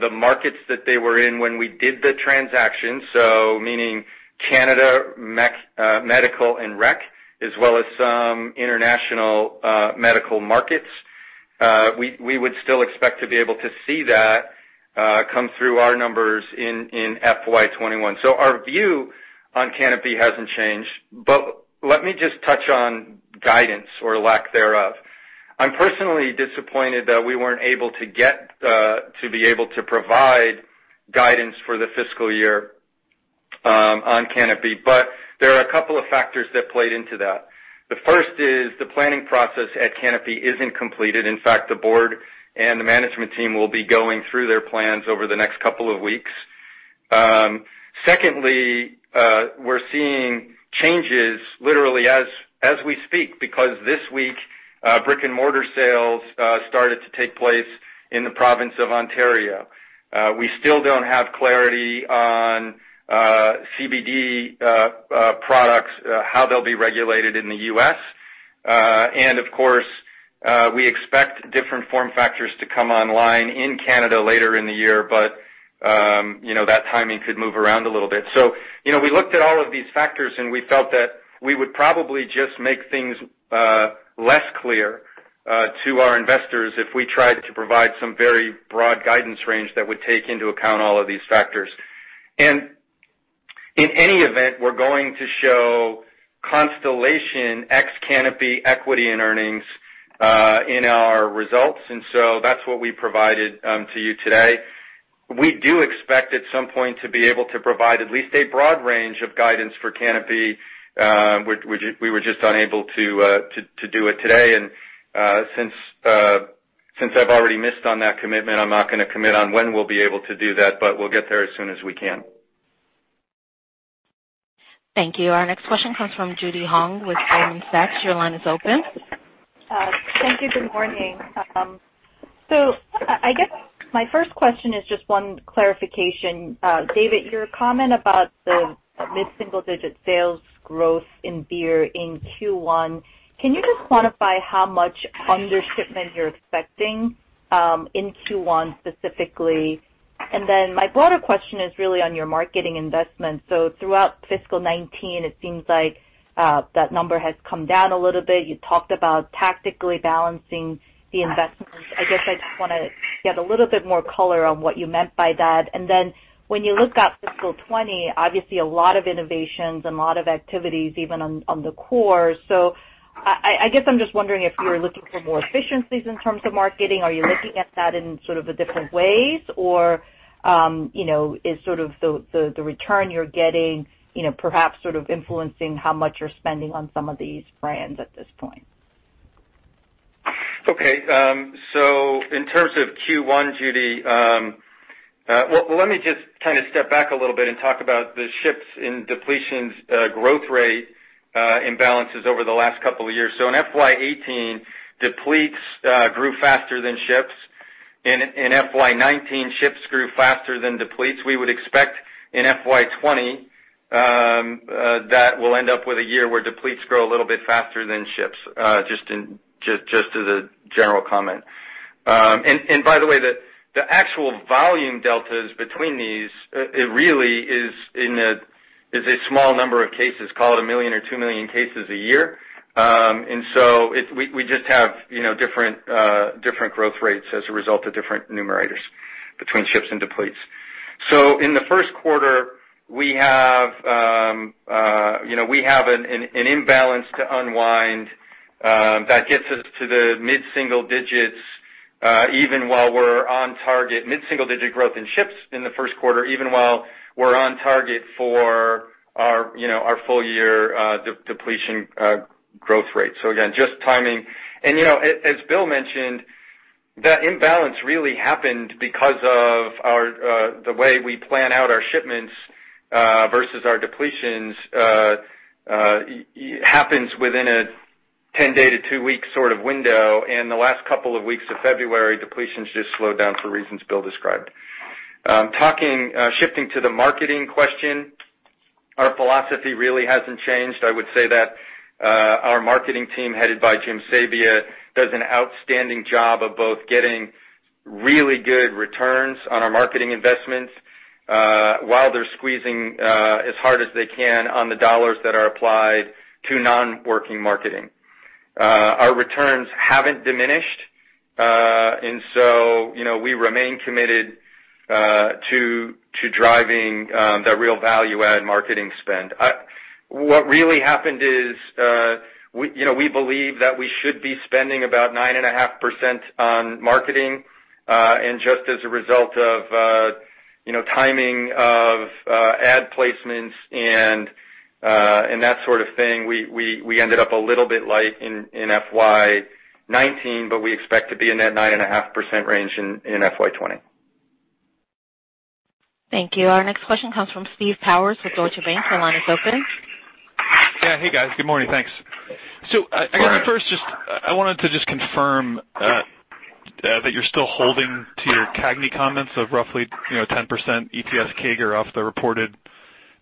the markets that they were in when we did the transaction. Meaning Canada, medical and rec, as well as some international medical markets. We would still expect to be able to see that come through our numbers in FY 2021. Our view on Canopy hasn't changed, let me just touch on guidance or lack thereof. I'm personally disappointed that we weren't able to get to be able to provide guidance for the fiscal year on Canopy, there are a couple of factors that played into that. The first is the planning process at Canopy isn't completed. In fact, the board and the management team will be going through their plans over the next couple of weeks. Secondly, we're seeing changes literally as we speak because this week, brick and mortar sales started to take place in the province of Ontario. We still don't have clarity on CBD products, how they'll be regulated in the U.S., of course, we expect different form factors to come online in Canada later in the year, that timing could move around a little bit. We looked at all of these factors, we felt that we would probably just make things less clear to our investors if we tried to provide some very broad guidance range that would take into account all of these factors. In any event, we're going to show Constellation ex Canopy equity and earnings, in our results. That's what we provided to you today. We do expect at some point to be able to provide at least a broad range of guidance for Canopy, we were just unable to do it today. Since I've already missed on that commitment, I'm not going to commit on when we'll be able to do that, we'll get there as soon as we can. Thank you. Our next question comes from Judy Hong with Goldman Sachs. Your line is open. Thank you. Good morning. I guess my first question is just one clarification. David, your comment about the mid-single-digit sales growth in beer in Q1, can you just quantify how much under shipment you're expecting in Q1 specifically? My broader question is really on your marketing investments. Throughout fiscal 2019, it seems like that number has come down a little bit. You talked about tactically balancing the investments. I guess I just want to get a little bit more color on what you meant by that. When you look at fiscal 2020, obviously a lot of innovations, a lot of activities even on the core. I guess I'm just wondering if you're looking for more efficiencies in terms of marketing. Are you looking at that in sort of different ways, or is the return you're getting perhaps sort of influencing how much you're spending on some of these brands at this point? In terms of Q1, Judy, well, let me just kind of step back a little bit and talk about the shifts in depletions growth rate imbalances over the last couple of years. In FY 2018, depletes grew faster than ships. In FY 2019, ships grew faster than depletes. We would expect in FY 2020 that we'll end up with a year where depletes grow a little bit faster than ships, just as a general comment. By the way, the actual volume deltas between these, it really is a small number of cases, call it 1 million or 2 million cases a year. We just have different growth rates as a result of different numerators between ships and depletions. In the first quarter, we have an imbalance to unwind that gets us to the mid-single digits, even while we're on target mid-single-digit growth in ships in the first quarter, even while we're on target for our full year depletion growth rate. Again, just timing. As Bill mentioned, that imbalance really happened because of the way we plan out our shipments versus our depletions happens within a 10-day to 2-week sort of window. The last couple of weeks of February, depletions just slowed down for reasons Bill described. Shifting to the marketing question, our philosophy really hasn't changed. I would say that our marketing team, headed by Jim Sabia, does an outstanding job of both getting really good returns on our marketing investments while they're squeezing as hard as they can on the dollars that are applied to non-working marketing. Our returns haven't diminished. We remain committed to driving that real value-add marketing spend. What really happened is, we believe that we should be spending about 9.5% on marketing. Just as a result of timing of ad placements and that sort of thing, we ended up a little bit light in FY 2019, but we expect to be in that 9.5% range in FY 2020. Thank you. Our next question comes from Steve Powers with Deutsche Bank. Your line is open. Yeah. Hey, guys. Good morning. Thanks. Morning. I guess first, I wanted to just confirm that you're still holding to your CAGNY comments of roughly 10% EPS CAGR off the reported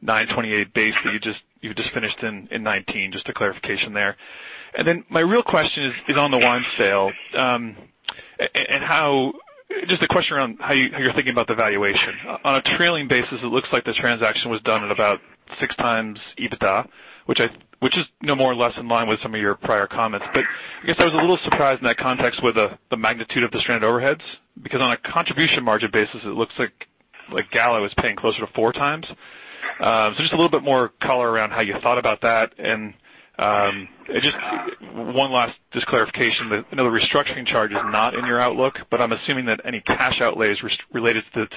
$9.28 base that you just finished in 2019. Just a clarification there. Then my real question is on the wine sale. Just a question around how you're thinking about the valuation. On a trailing basis, it looks like the transaction was done at about 6 times EBITDA, which is more or less in line with some of your prior comments. I guess I was a little surprised in that context with the magnitude of the stranded overheads, because on a contribution margin basis, it looks like Gallo was paying closer to 4 times. Just one last clarification. I know the restructuring charge is not in your outlook, I'm assuming that any cash outlays related to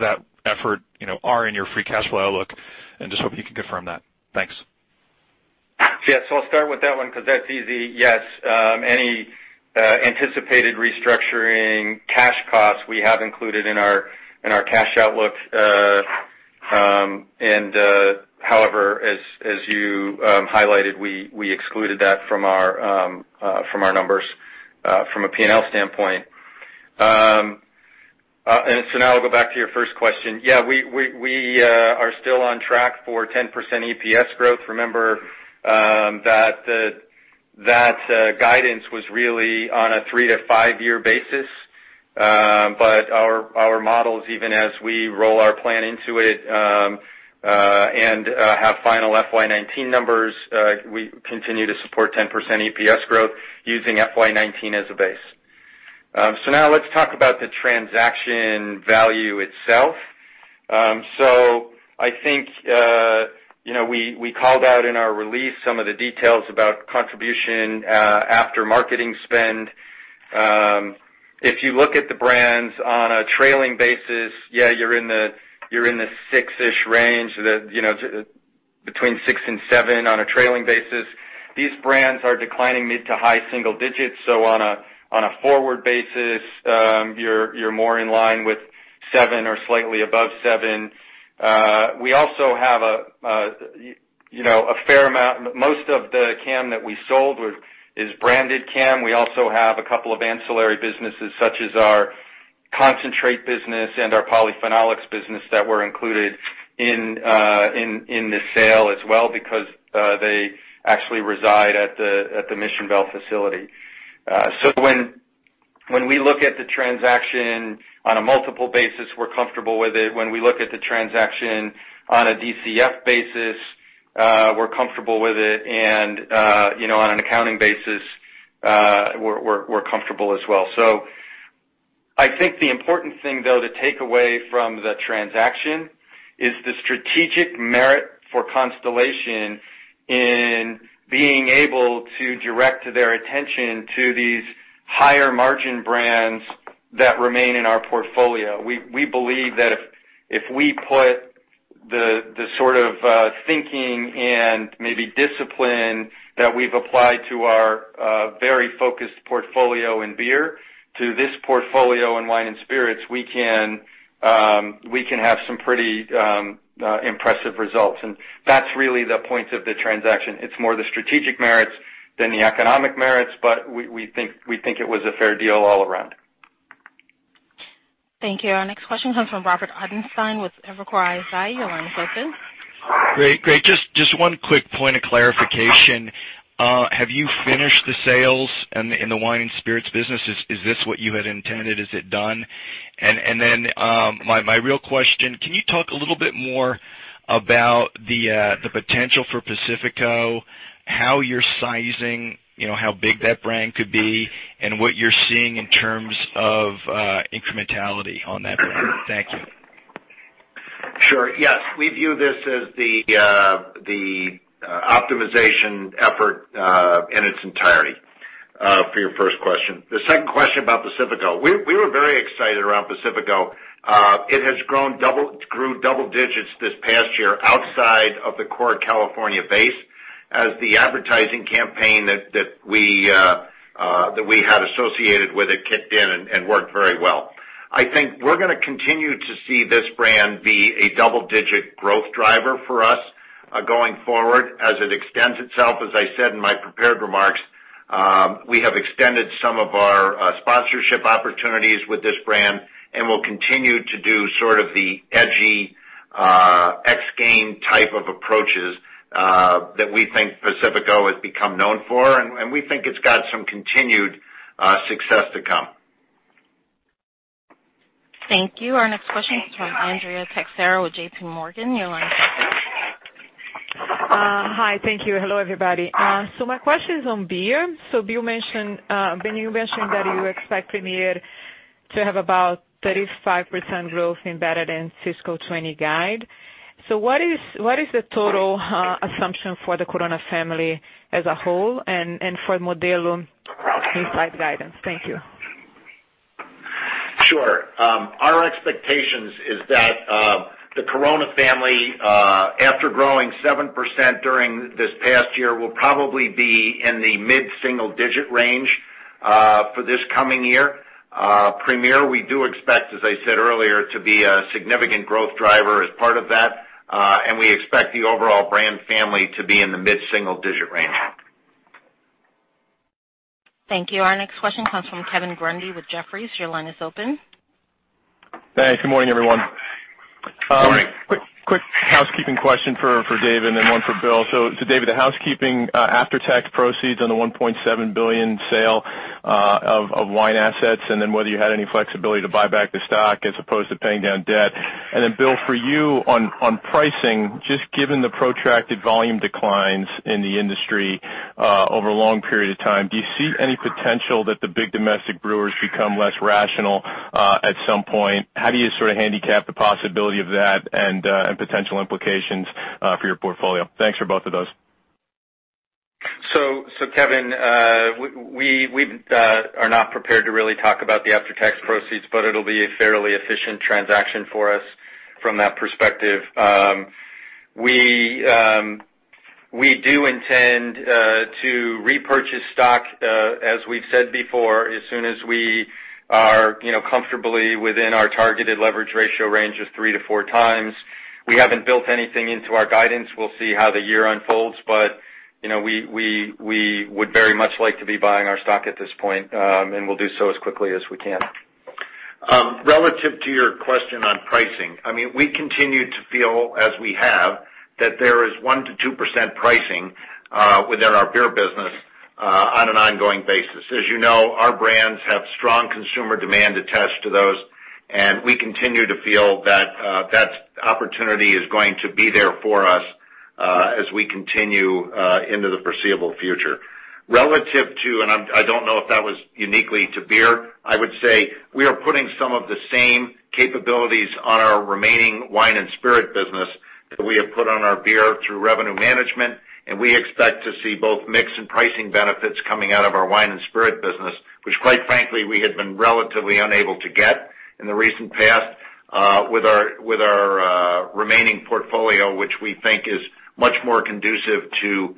that effort are in your free cash flow outlook, and just hoping you can confirm that. Thanks. I'll start with that one because that's easy. Yes. Any anticipated restructuring cash costs we have included in our cash outlook. However, as you highlighted, we excluded that from our numbers from a P&L standpoint. Now I'll go back to your first question. We are still on track for 10% EPS growth. Remember, that guidance was really on a three- to five-year basis. Our models, even as we roll our plan into it and have final FY 2019 numbers, we continue to support 10% EPS growth using FY 2019 as a base. Now let's talk about the transaction value itself. I think we called out in our release some of the details about contribution after marketing spend. If you look at the brands on a trailing basis, you're in the six-ish range, between six and seven on a trailing basis. These brands are declining mid to high single digits. On a forward basis, you're more in line with seven or slightly above seven. We also have a fair amount. Most of the CAM that we sold is branded CAM. We also have a couple of ancillary businesses such as our concentrate business and our Polyphenolics business that were included in the sale as well because they actually reside at the Mission Bell facility. When we look at the transaction on a multiple basis, we're comfortable with it. When we look at the transaction on a DCF basis, we're comfortable with it. On an accounting basis, we're comfortable as well. I think the important thing, though, to take away from the transaction is the strategic merit for Constellation in being able to direct their attention to these higher margin brands that remain in our portfolio. We believe that if we put the sort of thinking and maybe discipline that we've applied to our very focused portfolio in beer to this portfolio in wine and spirits, we can have some pretty impressive results, that's really the point of the transaction. It's more the strategic merits than the economic merits, we think it was a fair deal all around. Thank you. Our next question comes from Robert Ottenstein with Evercore ISI. Your line is open. Great. Just one quick point of clarification. Have you finished the sales in the wine and spirits business? Is this what you had intended? Is it done? My real question, can you talk a little bit more about the potential for Pacifico, how you're sizing, how big that brand could be, and what you're seeing in terms of incrementality on that brand? Thank you. Sure. Yes. We view this as the optimization effort, in its entirety, for your first question. The second question about Pacifico. We were very excited around Pacifico. It grew double digits this past year outside of the core California base as the advertising campaign that we had associated with it kicked in and worked very well. I think we're going to continue to see this brand be a double-digit growth driver for us, going forward, as it extends itself. As I said in my prepared remarks, we have extended some of our sponsorship opportunities with this brand and will continue to do sort of the edgy, X Games type of approaches, that we think Pacifico has become known for, and we think it's got some continued success to come. Thank you. Our next question comes from Andrea Teixeira with JPMorgan. Your line is open. Hi. Thank you. Hello, everybody. My question's on beer. Bill, you mentioned that you expect Premier to have about 35% growth embedded in fiscal 2020 guide. What is the total assumption for the Corona family as a whole and for Modelo inside guidance? Thank you. Sure. Our expectations is that the Corona family, after growing 7% during this past year, will probably be in the mid-single digit range, for this coming year. Premier, we do expect, as I said earlier, to be a significant growth driver as part of that. We expect the overall brand family to be in the mid-single digit range. Thank you. Our next question comes from Kevin Grundy with Jefferies. Your line is open. Thanks. Good morning, everyone. Good morning. Quick housekeeping question for Dave and then one for Bill. David, the housekeeping after-tax proceeds on the $1.7 billion sale of wine assets, and then whether you had any flexibility to buy back the stock as opposed to paying down debt. Bill, for you on pricing, just given the protracted volume declines in the industry over a long period of time, do you see any potential that the big domestic brewers become less rational at some point? How do you sort of handicap the possibility of that and potential implications for your portfolio? Thanks for both of those. Kevin, we are not prepared to really talk about the after-tax proceeds, but it'll be a fairly efficient transaction for us from that perspective. We do intend to repurchase stock, as we've said before, as soon as we are comfortably within our targeted leverage ratio range of three to four times. We haven't built anything into our guidance. We'll see how the year unfolds, but we would very much like to be buying our stock at this point. We'll do so as quickly as we can. Relative to your question on pricing, we continue to feel, as we have, that there is 1%-2% pricing within our beer business on an ongoing basis. As you know, our brands have strong consumer demand attached to those. We continue to feel that opportunity is going to be there for us as we continue into the foreseeable future. Relative to, I don't know if that was uniquely to beer, I would say we are putting some of the same capabilities on our remaining wine and spirit business that we have put on our beer through revenue management. We expect to see both mix and pricing benefits coming out of our wine and spirit business, which quite frankly, we had been relatively unable to get in the recent past, with our remaining portfolio, which we think is much more conducive to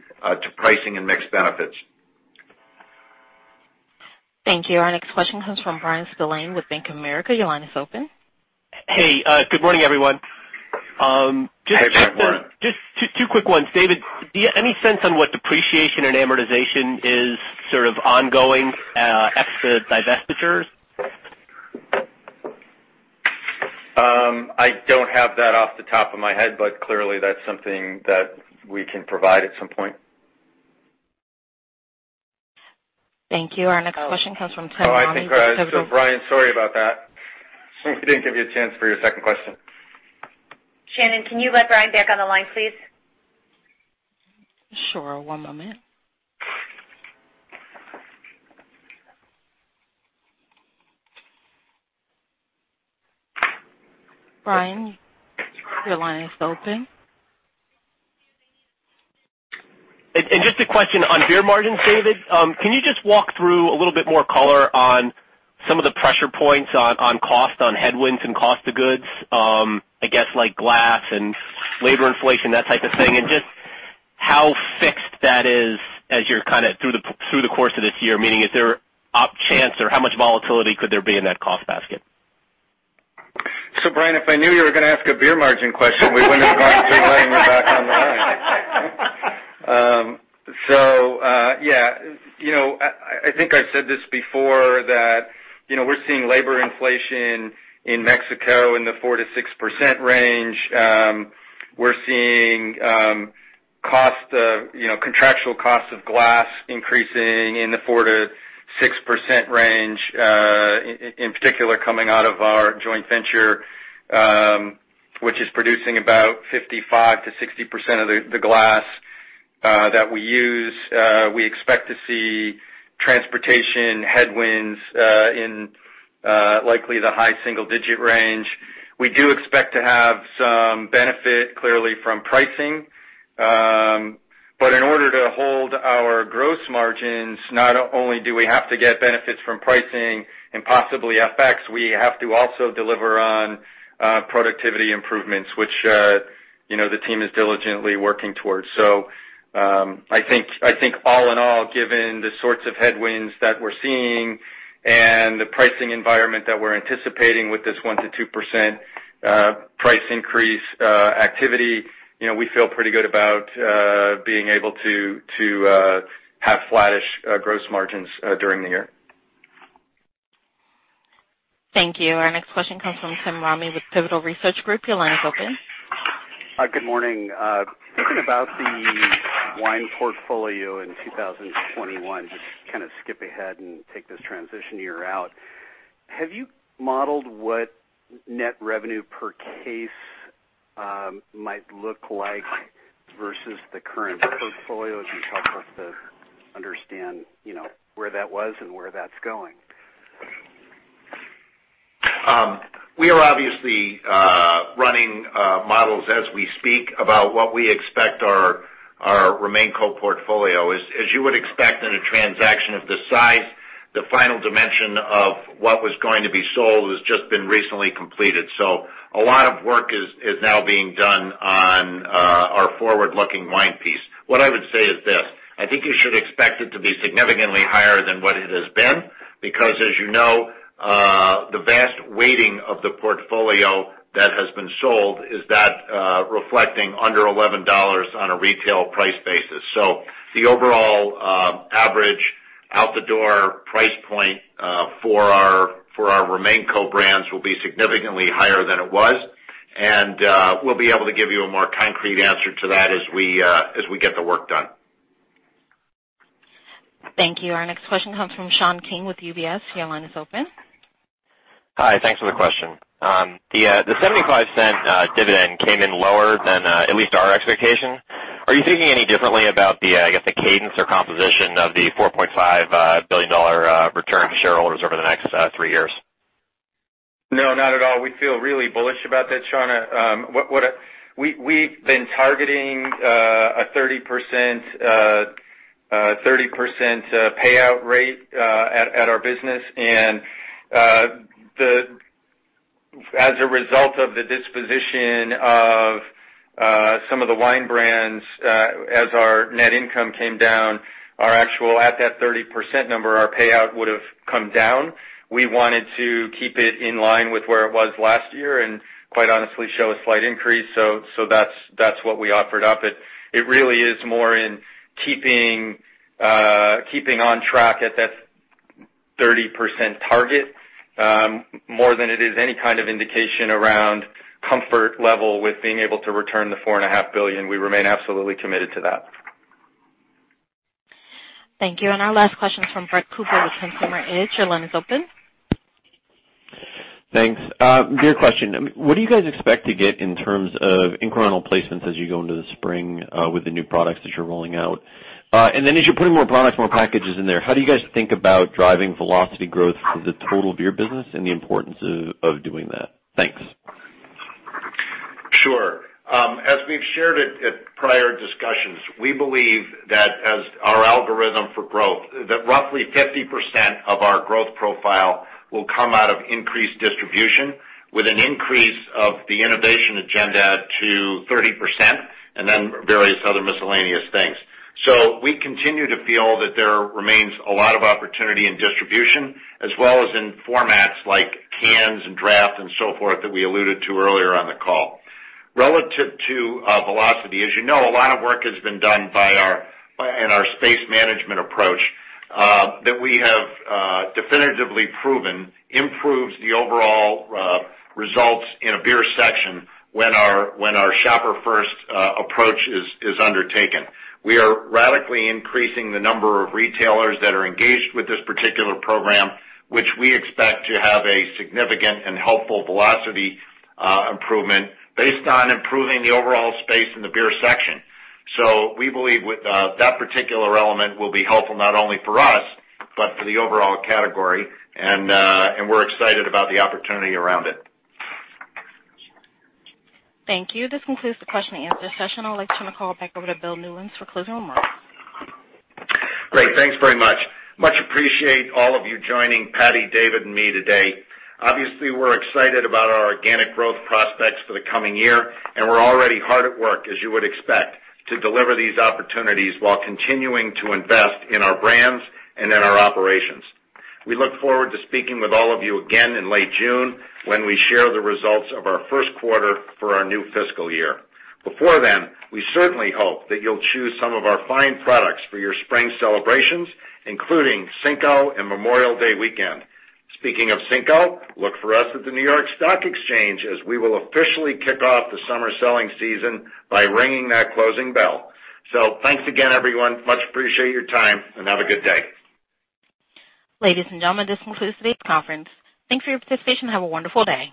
pricing and mix benefits. Thank you. Our next question comes from Bryan Spillane with Bank of America. Your line is open. Hey, good morning, everyone. Hey, Bryan. Just two quick ones. David, do you have any sense on what depreciation and amortization is sort of ongoing ex the divestitures? I don't have that off the top of my head, clearly that's something that we can provide at some point. Thank you. Our next question comes from Tim. I think, Bryan, sorry about that. We didn't give you a chance for your second question. Shannon, can you let Bryan back on the line, please? Sure. One moment. Bryan, your line is open. Just a question on beer margins, David. Can you just walk through a little bit more color on some of the pressure points on cost, on headwinds and cost of goods, I guess like glass and labor inflation, that type of thing, and just how fixed that is as you're kind of through the course of this year, meaning is there a chance or how much volatility could there be in that cost basket? Bryan, if I knew you were going to ask a beer margin question, we wouldn't have gotten to letting you back on the line. Yeah. I think I said this before, that we're seeing labor inflation in Mexico in the 4%-6% range. We're seeing contractual costs of glass increasing in the 4%-6% range, in particular coming out of our joint venture, which is producing about 55%-60% of the glass that we use. We expect to see transportation headwinds in likely the high single-digit range. We do expect to have some benefit, clearly, from pricing. In order to hold our gross margins, not only do we have to get benefits from pricing and possibly FX, we have to also deliver on productivity improvements, which the team is diligently working towards. I think all in all, given the sorts of headwinds that we're seeing and the pricing environment that we're anticipating with this 1%-2% price increase activity, we feel pretty good about being able to have flattish gross margins during the year. Thank you. Our next question comes from Timothy Ramey with Pivotal Research Group. Your line is open. Hi. Good morning. Thinking about the wine portfolio in 2021, just kind of skip ahead and take this transition year out, have you modeled what net revenue per case might look like versus the current portfolio? If you could help us to understand where that was and where that's going. We are obviously running models as we speak about what we expect our RemainCo portfolio is. As you would expect in a transaction of this size, the final dimension of what was going to be sold has just been recently completed. A lot of work is now being done on our forward-looking wine piece. What I would say is this, I think you should expect it to be significantly higher than what it has been because, as you know, the vast weighting of the portfolio that has been sold is that reflecting under $11 on a retail price basis. The overall average out the door price point for our RemainCo brands will be significantly higher than it was, and we'll be able to give you a more concrete answer to that as we get the work done. Thank you. Our next question comes from Sean King with UBS. Your line is open. Hi. Thanks for the question. The $0.75 dividend came in lower than at least our expectation. Are you thinking any differently about the, I guess, the cadence or composition of the $4.5 billion return to shareholders over the next three years? No, not at all. We feel really bullish about that, Sean. We've been targeting a 30% payout rate at our business. As a result of the disposition of some of the wine brands, as our net income came down, our actual, at that 30% number, our payout would've come down. We wanted to keep it in line with where it was last year, and quite honestly show a slight increase. That's what we offered up. It really is more in keeping on track at that 30% target, more than it is any kind of indication around comfort level with being able to return the $4.5 billion. We remain absolutely committed to that. Thank you. Our last question is from Brett Cooper with Consumer Edge. Your line is open. Thanks. Beer question. What do you guys expect to get in terms of incremental placements as you go into the spring with the new products that you're rolling out? Then as you're putting more products, more packages in there, how do you guys think about driving velocity growth for the total beer business and the importance of doing that? Thanks. Sure. As we've shared at prior discussions, we believe that as our algorithm for growth, that roughly 50% of our growth profile will come out of increased distribution, with an increase of the innovation agenda to 30%. Various other miscellaneous things. We continue to feel that there remains a lot of opportunity in distribution as well as in formats like cans and draft and so forth, that we alluded to earlier on the call. Relative to velocity, as you know, a lot of work has been done in our space management approach, that we have definitively proven improves the overall results in a beer section when our shopper-first approach is undertaken. We are radically increasing the number of retailers that are engaged with this particular program, which we expect to have a significant and helpful velocity improvement based on improving the overall space in the beer section. We believe that particular element will be helpful, not only for us, but for the overall category. We're excited about the opportunity around it. Thank you. This concludes the question and answer session. I'd like to turn the call back over to Bill Newlands for closing remarks. Great. Thanks very much. Much appreciate all of you joining Patty, David, and me today. Obviously, we're excited about our organic growth prospects for the coming year. We're already hard at work, as you would expect, to deliver these opportunities while continuing to invest in our brands and in our operations. We look forward to speaking with all of you again in late June when we share the results of our first quarter for our new fiscal year. Before then, we certainly hope that you'll choose some of our fine products for your spring celebrations, including Cinco and Memorial Day weekend. Speaking of Cinco, look for us at the New York Stock Exchange as we will officially kick off the summer selling season by ringing that closing bell. Thanks again, everyone. Much appreciate your time and have a good day. Ladies and gentlemen, this concludes today's conference. Thanks for your participation and have a wonderful day.